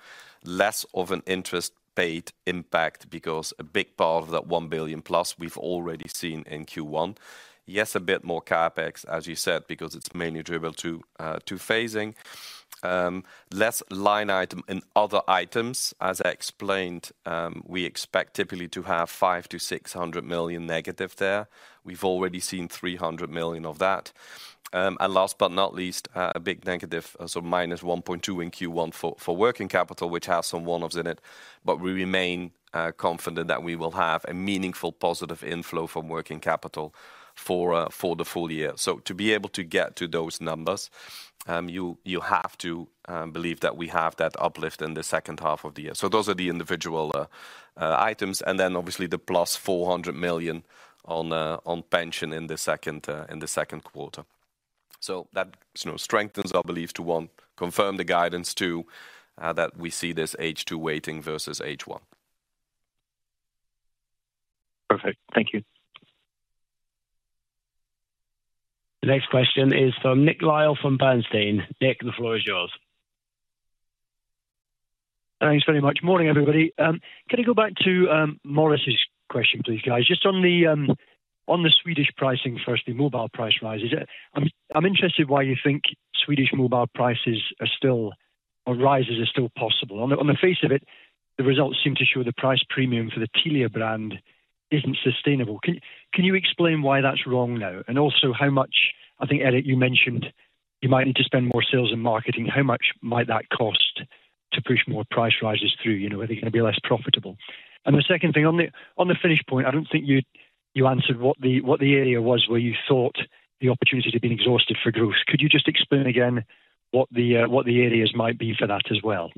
less of an interest paid impact, because a big part of that 1 billion+ we've already seen in Q1. Yes, a bit more CapEx, as you said, because it's mainly driven to phasing. Less line item in other items. As I explained, we expect typically to have 500-600 million negative there. We've already seen 300 million of that. And last but not least, a big negative, so -1.2 in Q1 for working capital, which has some one-offs in it, but we remain confident that we will have a meaningful positive inflow from working capital for the full year. So to be able to get to those numbers, you have to believe that we have that uplift in the second half of the year. So those are the individual items, and then obviously, the +400 million on pension in the second quarter. So that, you know, strengthens our belief to, one, confirm the guidance, two, that we see this H2 weighting versus H1. Perfect. Thank you. The next question is from Nick Lyall from Bernstein. Nick, the floor is yours. Thanks very much. Morning, everybody. Can I go back to Maurice's question, please, guys? Just on the Swedish pricing, firstly, mobile price rises. I'm interested why you think Swedish mobile prices are still, or rises are still possible. On the face of it, the results seem to show the price premium for the Telia brand isn't sustainable. Can you explain why that's wrong now? And also, how much... I think, Eric, you mentioned you might need to spend more sales and marketing. How much might that cost to push more price rises through? You know, are they gonna be less profitable? And the second thing, on the Finnish point, I don't think you answered what the area was, where you thought the opportunity to be exhausted for growth. Could you just explain again what the, what the areas might be for that as well?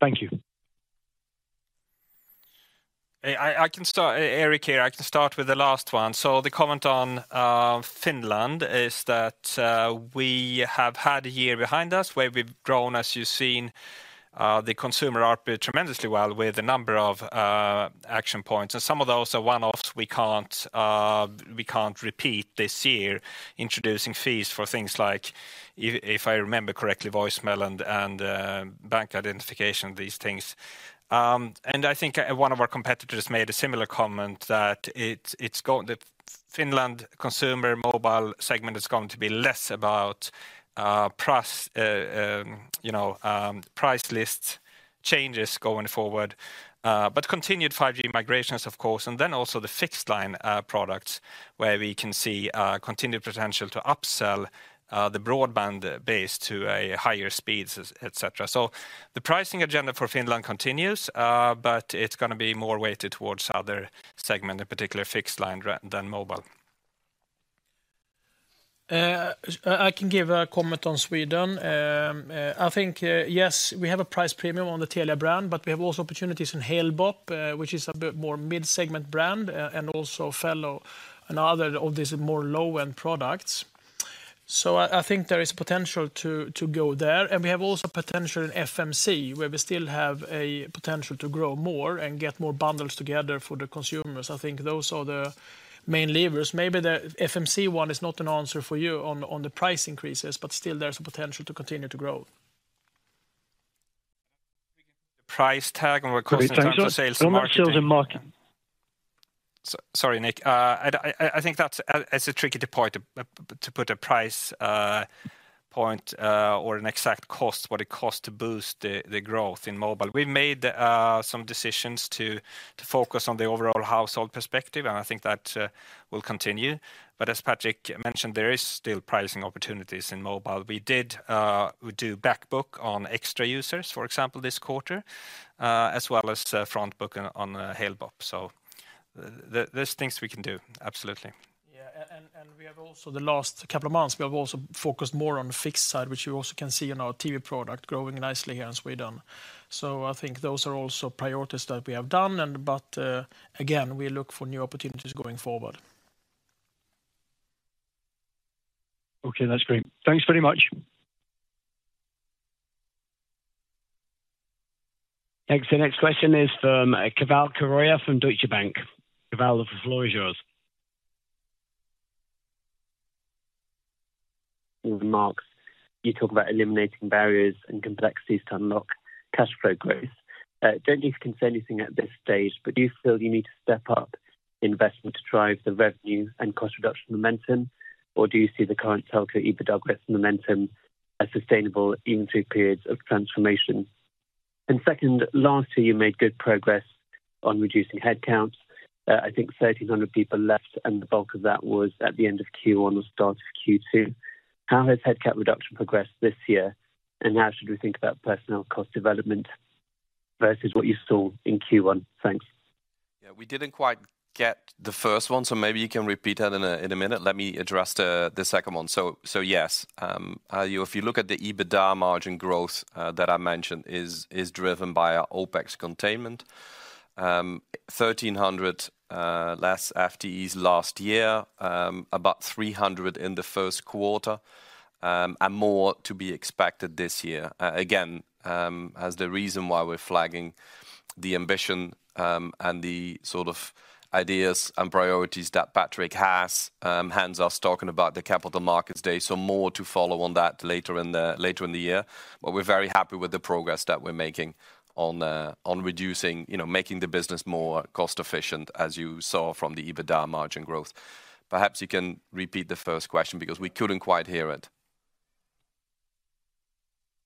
Thank you. Hey, I can start. Erik here. I can start with the last one. So the comment on Finland is that we have had a year behind us where we've grown, as you've seen, the consumer ARPU tremendously well with a number of action points, and some of those are one-offs we can't repeat this year, introducing fees for things like, if I remember correctly, voicemail and bank identification, these things. And I think one of our competitors made a similar comment, that the Finland consumer mobile segment is going to be less about price, you know, price list changes going forward. But continued 5G migrations, of course, and then also the fixed line products, where we can see continued potential to upsell the broadband base to a higher speeds, et cetera. So the pricing agenda for Finland continues, but it's gonna be more weighted towards other segment, in particular, fixed line rather than mobile. I can give a comment on Sweden. I think, yes, we have a price premium on the Telia brand, but we have also opportunities in Halebop, which is a bit more mid-segment brand, and also Fello and other of these more low-end products. So I think there is potential to go there, and we have also potential in FMC, where we still have a potential to grow more and get more bundles together for the consumers. I think those are the main levers. Maybe the FMC one is not an answer for you on the price increases, but still there's a potential to continue to grow. The price tag on what sales Sales and marketing. Sorry, Nick. I think that's, it's a tricky to point, to put a price, point, or an exact cost, what it costs to boost the growth in mobile. We've made some decisions to focus on the overall household perspective, and I think that will continue. But as Patrik mentioned, there is still pricing opportunities in mobile. We did, we do back book on extra users, for example, this quarter, as well as front book on Halebop. So there's things we can do, absolutely. Yeah, we have also, the last couple of months, we have also focused more on the fixed side, which you also can see in our TV product growing nicely here in Sweden. So I think those are also priorities that we have done, but again, we look for new opportunities going forward. Okay, that's great. Thanks very much. Thanks. The next question is from, Keval Khiroya from Deutsche Bank. Keval, the floor is yours. Remarks. You talk about eliminating barriers and complexities to unlock cash flow growth. Don't need to concern anything at this stage, but do you feel you need to step up investment to drive the revenue and cost reduction momentum, or do you see the current telco EBITDA growth momentum as sustainable even through periods of transformation? And second, last year, you made good progress on reducing headcount. I think 1,300 people left, and the bulk of that was at the end of Q1 or start of Q2. How has headcount reduction progressed this year, and how should we think about personnel cost development versus what you saw in Q1? Thanks. Yeah, we didn't quite get the first one, so maybe you can repeat that in a minute. Let me address the second one. So yes, if you look at the EBITDA margin growth that I mentioned is driven by our OpEx containment. 1,300 less FTEs last year, about 300 in the first quarter, and more to be expected this year. Again, as the reason why we're flagging the ambition, and the sort of ideas and priorities that Patrik has handed us talking about the Capital Markets Day. So more to follow on that later in the year. But we're very happy with the progress that we're making on reducing, you know, making the business more cost-efficient, as you saw from the EBITDA margin growth. Perhaps you can repeat the first question because we couldn't quite hear it.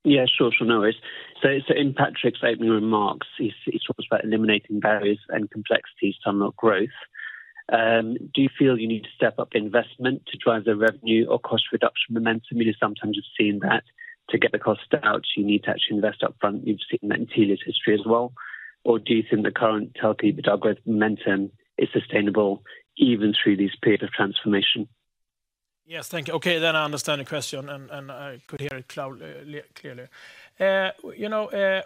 Yeah, sure. Sure, no worries. So, in Patrik's opening remarks, he talks about eliminating barriers and complexities to unlock growth. Do you feel you need to step up investment to drive the revenue or cost reduction momentum? We just sometimes have seen that to get the cost out, you need to actually invest upfront. You've seen that in Telia's history as well, or do you think the current telco EBITDA growth momentum is sustainable even through this period of transformation? Yes. Thank you. Okay, then I understand the question, and I could hear it clearly. You know,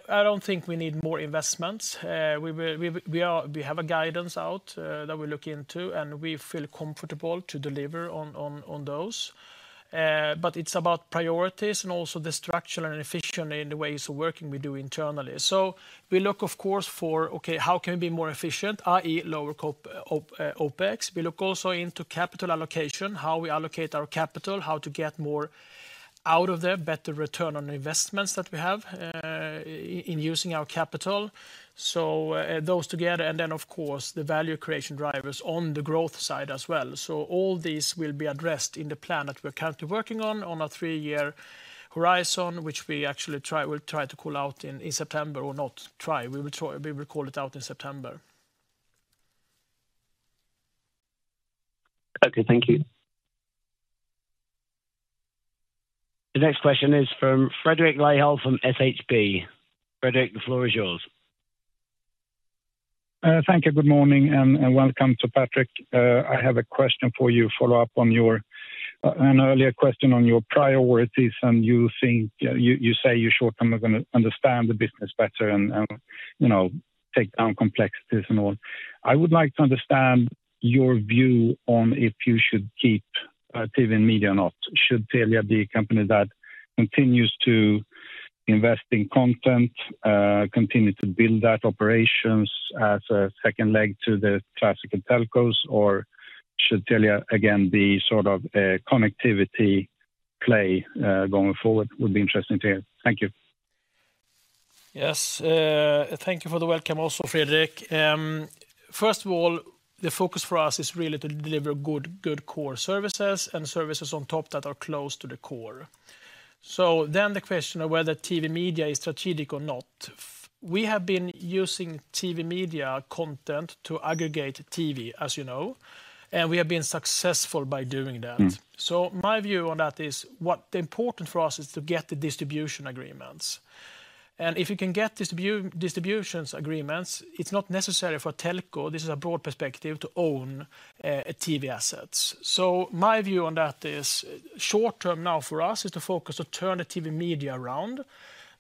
I don't think we need more investments. We are, we have a guidance out, that we look into, and we feel comfortable to deliver on those. But it's about priorities and also the structural and efficiency in the ways of working we do internally. So we look, of course, for, okay, how can we be more efficient, i.e., lower OpEx? We look also into capital allocation, how we allocate our capital, how to get more out of there, better return on investments that we have, in using our capital. So, those together, and then, of course, the value creation drivers on the growth side as well. So all these will be addressed in the plan that we're currently working on, on a three-year horizon, which we actually, we'll try to call out in September or not try. We will try, we will call it out in September. Okay. Thank you. The next question is from Fredrik Lithell from SHB. Fredrik, the floor is yours. Thank you. Good morning, and welcome to Patrik. I have a question for you. Follow up on your an earlier question on your priorities, and you think you say you short term are gonna understand the business better and, you know, take down complexities and all. I would like to understand your view on if you should keep TV and Media or not. Should Telia be a company that continues to invest in content, continue to build that operations as a second leg to the classical telcos, or should Telia again be sort of a connectivity play, going forward? Would be interesting to hear. Thank you. Yes, thank you for the welcome also, Fredrik. First of all, the focus for us is really to deliver good, good core services and services on top that are close to the core. So then the question of whether TV media is strategic or not. We have been using TV media content to aggregate TV, as you know, and we have been successful by doing that. Mm. So my view on that is what's important for us is to get the distribution agreements. And if you can get distribution agreements, it's not necessary for a telco, this is a broad perspective, to own a TV assets. So my view on that is short term now for us is to focus on turn the TV and Media around.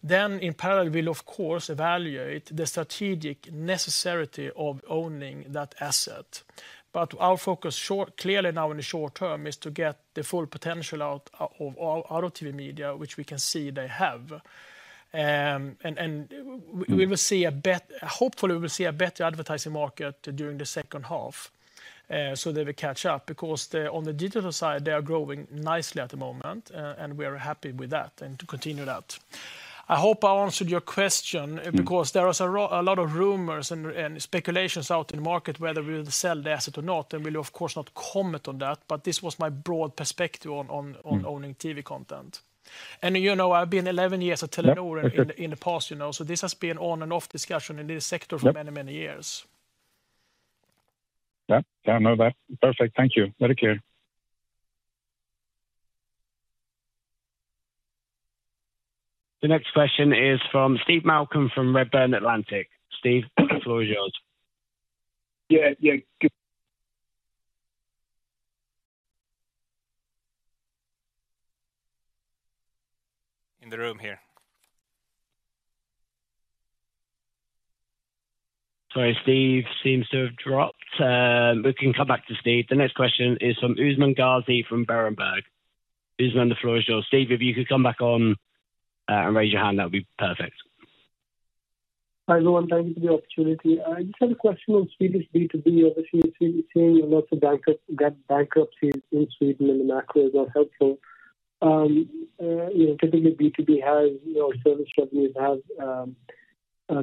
Then in parallel, we'll of course evaluate the strategic necessity of owning that asset. But our focus short. Clearly now in the short term is to get the full potential out of our TV and Media, which we can see they have. Hopefully, we will see a better advertising market during the second half, so they will catch up, because on the digital side, they are growing nicely at the moment, and we are happy with that and to continue that. I hope I answered your question. Mm. because there was a lot of rumors and speculations out in the market whether we will sell the asset or not, and we'll, of course, not comment on that, but this was my broad perspective on, on, on- Mm. Owning TV content. You know, I've been 11 years at Telenor- Yep. in the past, you know, so this has been on and off discussion in this sector. Yep for many, many years. Yep. Yeah, I know that. Perfect. Thank you. Very clear. The next question is from Steve Malcolm from Redburn Atlantic. Steve, the floor is yours. Yeah, yeah, good- In the room here. Sorry, Steve seems to have dropped. We can come back to Steve. The next question is from Usman Ghazi from Berenberg. Usman, the floor is yours. Steve, if you could come back on, and raise your hand, that would be perfect. Hi, everyone. Thank you for the opportunity. I just had a question on Swedish B2B. Obviously, we've seen a lot of bankruptcies in Sweden, and the macro is not helpful. You know, typically B2B has, you know, service companies have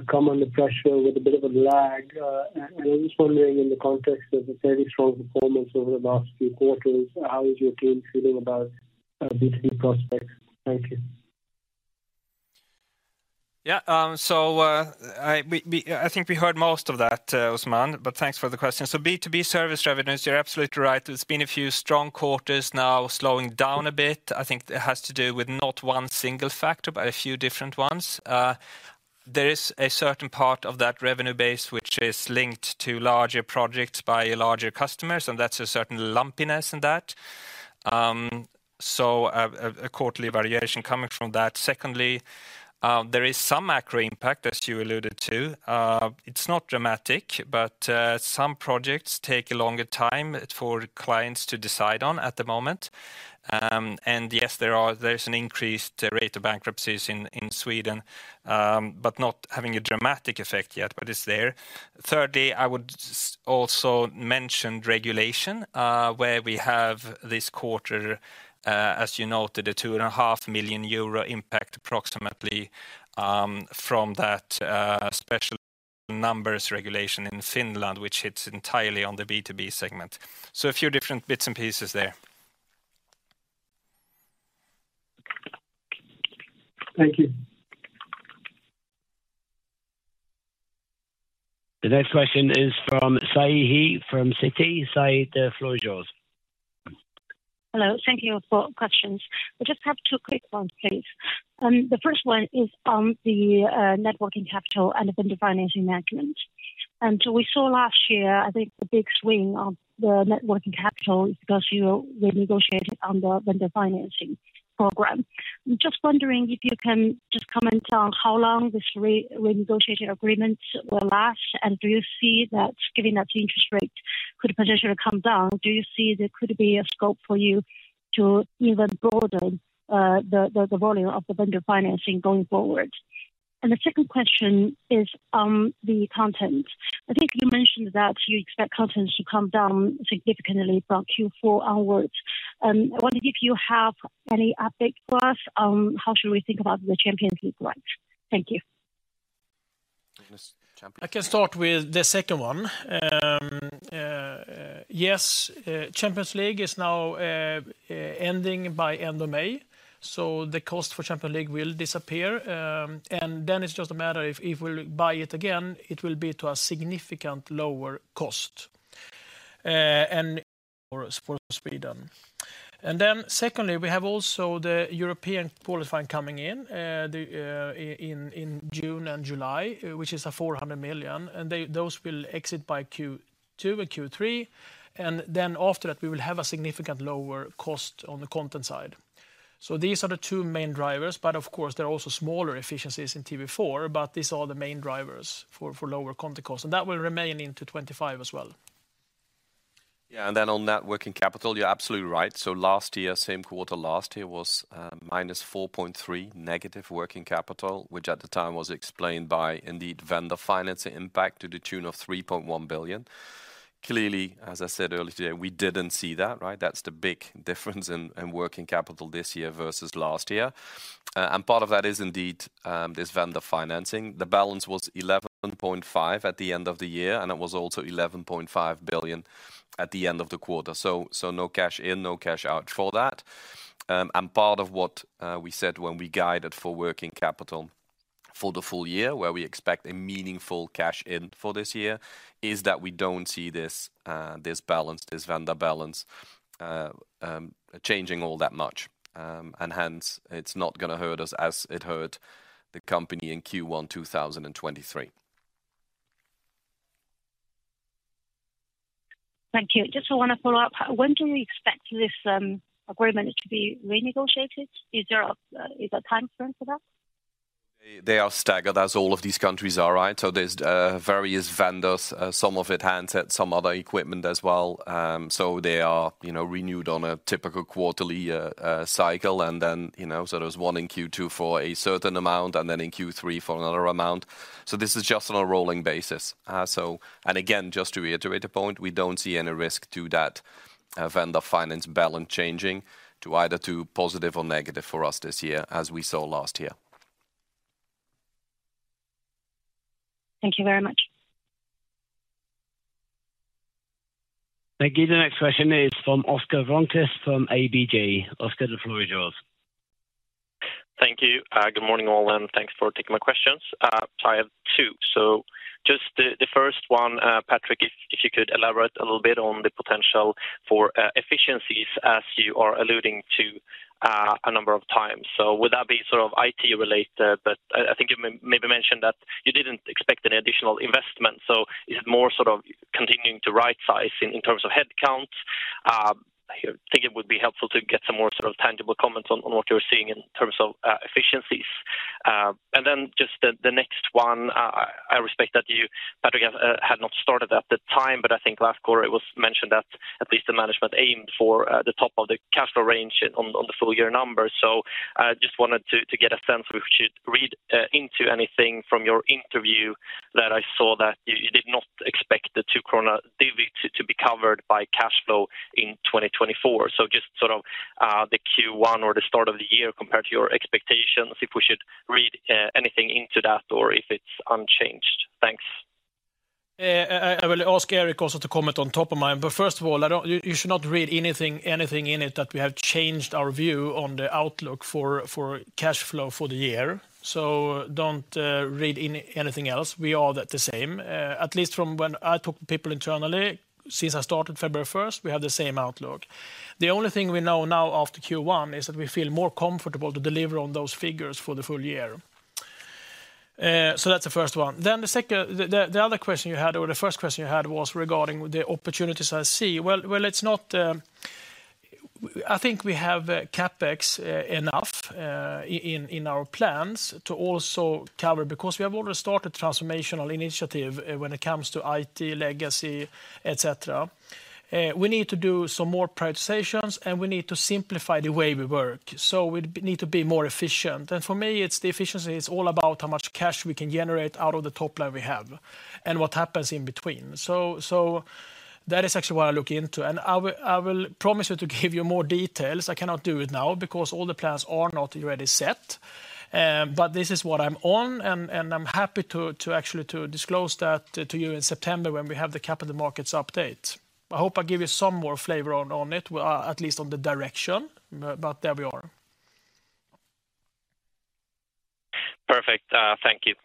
come under pressure with a bit of a lag. And I was just wondering, in the context of a very strong performance over the last few quarters, how is your team feeling about B2B prospects? Thank you. Yeah, so, I think we heard most of that, Usman, but thanks for the question. So B2B service revenues, you're absolutely right. There's been a few strong quarters now slowing down a bit. I think it has to do with not one single factor, but a few different ones. There is a certain part of that revenue base, which is linked to larger projects by larger customers, and that's a certain lumpiness in that. So, a quarterly variation coming from that. Secondly, there is some macro impact, as you alluded to. It's not dramatic, but some projects take a longer time for clients to decide on at the moment. And yes, there's an increased rate of bankruptcies in Sweden, but not having a dramatic effect yet, but it's there. Thirdly, I would also mention regulation, where we have this quarter, as you noted, a 2.5 million euro impact, approximately, from that special numbers regulation in Finland, which hits entirely on the B2B segment. So a few different bits and pieces there. Thank you. The next question is from Siyi He from Citi. Siyi, the floor is yours. Hello. Thank you for questions. I just have two quick ones, please. The first one is on the net working capital and the vendor financing management. And so we saw last year, I think, the big swing of the net working capital, because you were negotiating on the vendor financing program. I'm just wondering if you can just comment on how long this re-negotiation agreements will last, and do you see that given that interest rate could potentially come down? Do you see there could be a scope for you to even broaden the volume of the vendor financing going forward? And the second question is on the content. I think you mentioned that you expect content to come down significantly from Q4 onwards. I wondered if you have any updates for us on how should we think about the Champions League rights. Thank you. With Champions. I can start with the second one. Yes, Champions League is now ending by end of May, so the cost for Champions League will disappear. And then it's just a matter if, if we'll buy it again, it will be to a significant lower cost, and for Sweden. And then secondly, we have also the European qualifying coming in, in June and July, which is 400 million, and they... Those will exit by Q2 and Q3. And then after that, we will have a significant lower cost on the content side. So these are the two main drivers, but of course, there are also smaller efficiencies in TV4, but these are the main drivers for lower content costs, and that will remain into 2025 as well. Yeah, and then on net working capital, you're absolutely right. So last year, same quarter last year was -4.3 negative working capital, which at the time was explained by indeed vendor financing impact to the tune of 3.1 billion. Clearly, as I said earlier today, we didn't see that, right? That's the big difference in working capital this year versus last year. And part of that is indeed this vendor financing. The balance was 11.5 billion at the end of the year, and it was also 11.5 billion at the end of the quarter. So no cash in, no cash out for that. And part of what we said when we guided for working capital for the full year, where we expect a meaningful cash in for this year, is that we don't see this, this balance, this vendor balance, changing all that much. And hence, it's not gonna hurt us as it hurt the company in Q1, 2023. Thank you. Just want to follow up. When do you expect this agreement to be renegotiated? Is there a time frame for that? They are staggered, as all of these countries are, right? So there's various vendors, some of it handset, some other equipment as well. So they are, you know, renewed on a typical quarterly cycle. And then, you know, so there's one in Q2 for a certain amount, and then in Q3 for another amount. So this is just on a rolling basis. And again, just to reiterate the point, we don't see any risk to that vendor finance balance changing to either to positive or negative for us this year, as we saw last year. Thank you very much. Thank you. The next question is from Oscar Rönnkvist, from ABG. Oscar, the floor is yours. Thank you. Good morning, all, and thanks for taking my questions. I have two. So just the first one, Patrik, if you could elaborate a little bit on the potential for efficiencies as you are alluding to a number of times. So would that be sort of IT related? But I think you maybe mentioned that you didn't expect any additional investment, so is it more sort of continuing to right size in terms of head count? I think it would be helpful to get some more sort of tangible comments on what you're seeing in terms of efficiencies. And then just the next one, I respect that you, Patrik, had not started at the time, but I think last quarter it was mentioned that at least the management aimed for the top of the capital range on the full year numbers. So I just wanted to get a sense if we should read into anything from your interview that I saw that you did not two krona dividend to be covered by cash flow in 2024. So just sort of the Q1 or the start of the year compared to your expectations, if we should read anything into that or if it's unchanged? Thanks. I will ask Eric also to comment on top of mine. But first of all, I don't you should not read anything into it that we have changed our view on the outlook for cash flow for the year. So don't read anything else. We are the same, at least from when I talk to people internally, since I started February first, we have the same outlook. The only thing we know now after Q1 is that we feel more comfortable to deliver on those figures for the full year. So that's the first one. Then the second the other question you had or the first question you had was regarding the opportunities I see. Well, well, it's not, I think we have CapEx enough in our plans to also cover, because we have already started transformational initiative when it comes to IT, legacy, et cetera. We need to do some more prioritizations, and we need to simplify the way we work, so we need to be more efficient. And for me, it's the efficiency, it's all about how much cash we can generate out of the top line we have and what happens in between. So that is actually what I look into. And I will promise you to give you more details. I cannot do it now because all the plans are not already set, but this is what I'm on, and I'm happy to actually disclose that to you in September when we have the capital markets update. I hope I give you some more flavor on it, at least on the direction, but there we are. Perfect. Thank you.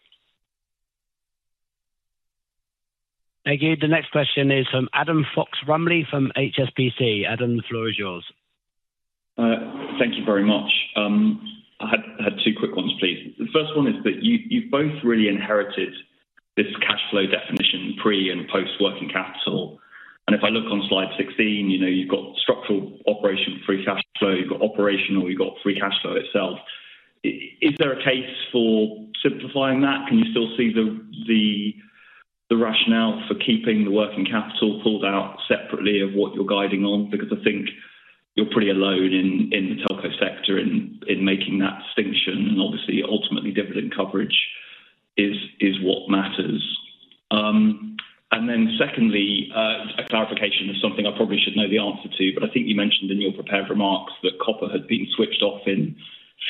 Thank you. The next question is from Adam Fox-Rumley from HSBC. Adam, the floor is yours. Thank you very much. I had two quick ones, please. The first one is that you both really inherited this cash flow definition, pre and post-working capital. And if I look on slide 16, you know, you've got structural operation free cash flow, you've got operational, you've got free cash flow itself. Is there a case for simplifying that? Can you still see the rationale for keeping the working capital pulled out separately of what you're guiding on? Because I think you're pretty alone in the telco sector in making that distinction, and obviously, ultimately, dividend coverage is what matters. And then secondly, a clarification of something I probably should know the answer to, but I think you mentioned in your prepared remarks that copper had been switched off in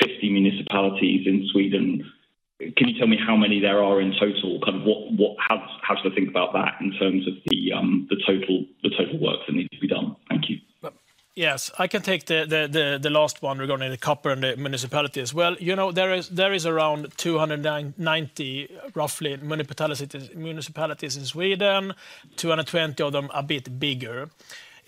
50 municipalities in Sweden. Can you tell me how many there are in total? Kind of, what, how should I think about that in terms of the total work that needs to be done? Thank you. Yes, I can take the last one regarding the copper and the municipalities. Well, you know, there is around 290, roughly, municipalities in Sweden, 220 of them a bit bigger.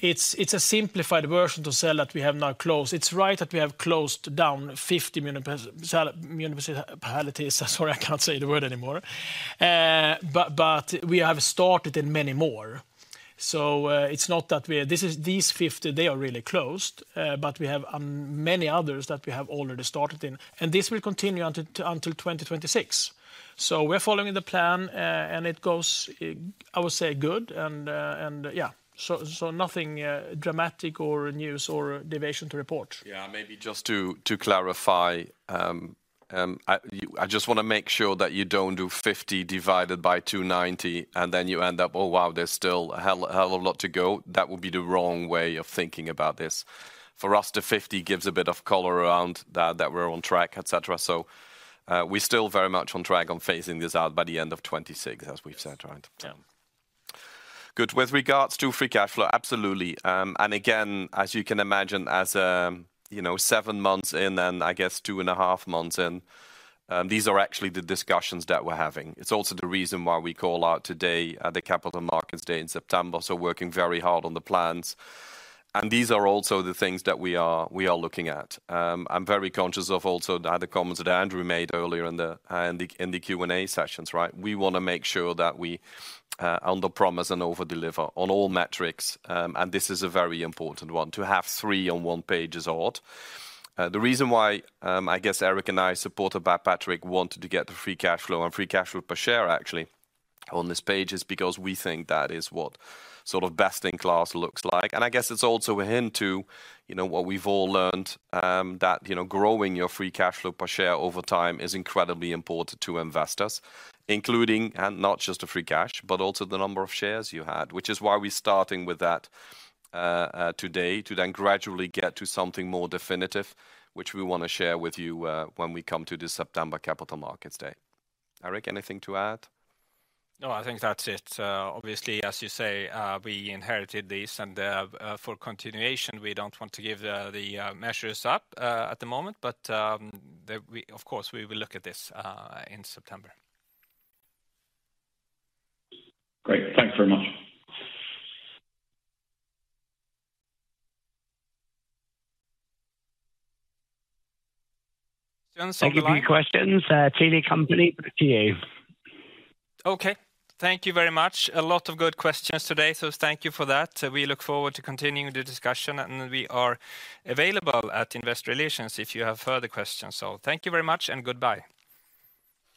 It's a simplified version to say that we have now closed. It's right that we have closed down 50 municipalities. Sorry, I can't say the word anymore. But we have started in many more. So, it's not that we... These 50, they are really closed, but we have many others that we have already started in, and this will continue until 2026. So we're following the plan, and it goes, I would say, good, and yeah. So, nothing dramatic or news or deviation to report. Yeah, maybe just to clarify, I—you—I just wanna make sure that you don't do 50 divided by 290, and then you end up, oh, wow, there's still a hell, a hell of a lot to go. That would be the wrong way of thinking about this. For us, the 50 gives a bit of color around that, that we're on track, et cetera. So, we're still very much on track on phasing this out by the end of 2026, as we've said, right? Yeah. Good. With regards to free cash flow, absolutely. And again, as you can imagine, as you know, seven months in, then I guess two and a half months in, these are actually the discussions that we're having. It's also the reason why we call out today the Capital Markets Day in September, so working very hard on the plans. And these are also the things that we are, we are looking at. I'm very conscious of also the comments that Andrew made earlier in the Q&A sessions, right? We wanna make sure that we underpromise and overdeliver on all metrics, and this is a very important one, to have three on one page is odd. The reason why, I guess Eric and I, supported by Patrik, wanted to get the free cash flow and free cash flow per share actually on this page is because we think that is what sort of best in class looks like. I guess it's also a hint to, you know, what we've all learned, that, you know, growing your free cash flow per share over time is incredibly important to investors, including, and not just the free cash, but also the number of shares you had, which is why we're starting with that, today, to then gradually get to something more definitive, which we wanna share with you, when we come to the September Capital Markets Day. Eric, anything to add? No, I think that's it. Obviously, as you say, we inherited this, and for continuation, we don't want to give the measures up at the moment, but the—we, of course, we will look at this in September. Great. Thank you very much. Thank you for your questions. Telia Company, to you. Okay, thank you very much. A lot of good questions today, so thank you for that. We look forward to continuing the discussion, and we are available at Investor Relations if you have further questions. So thank you very much and goodbye.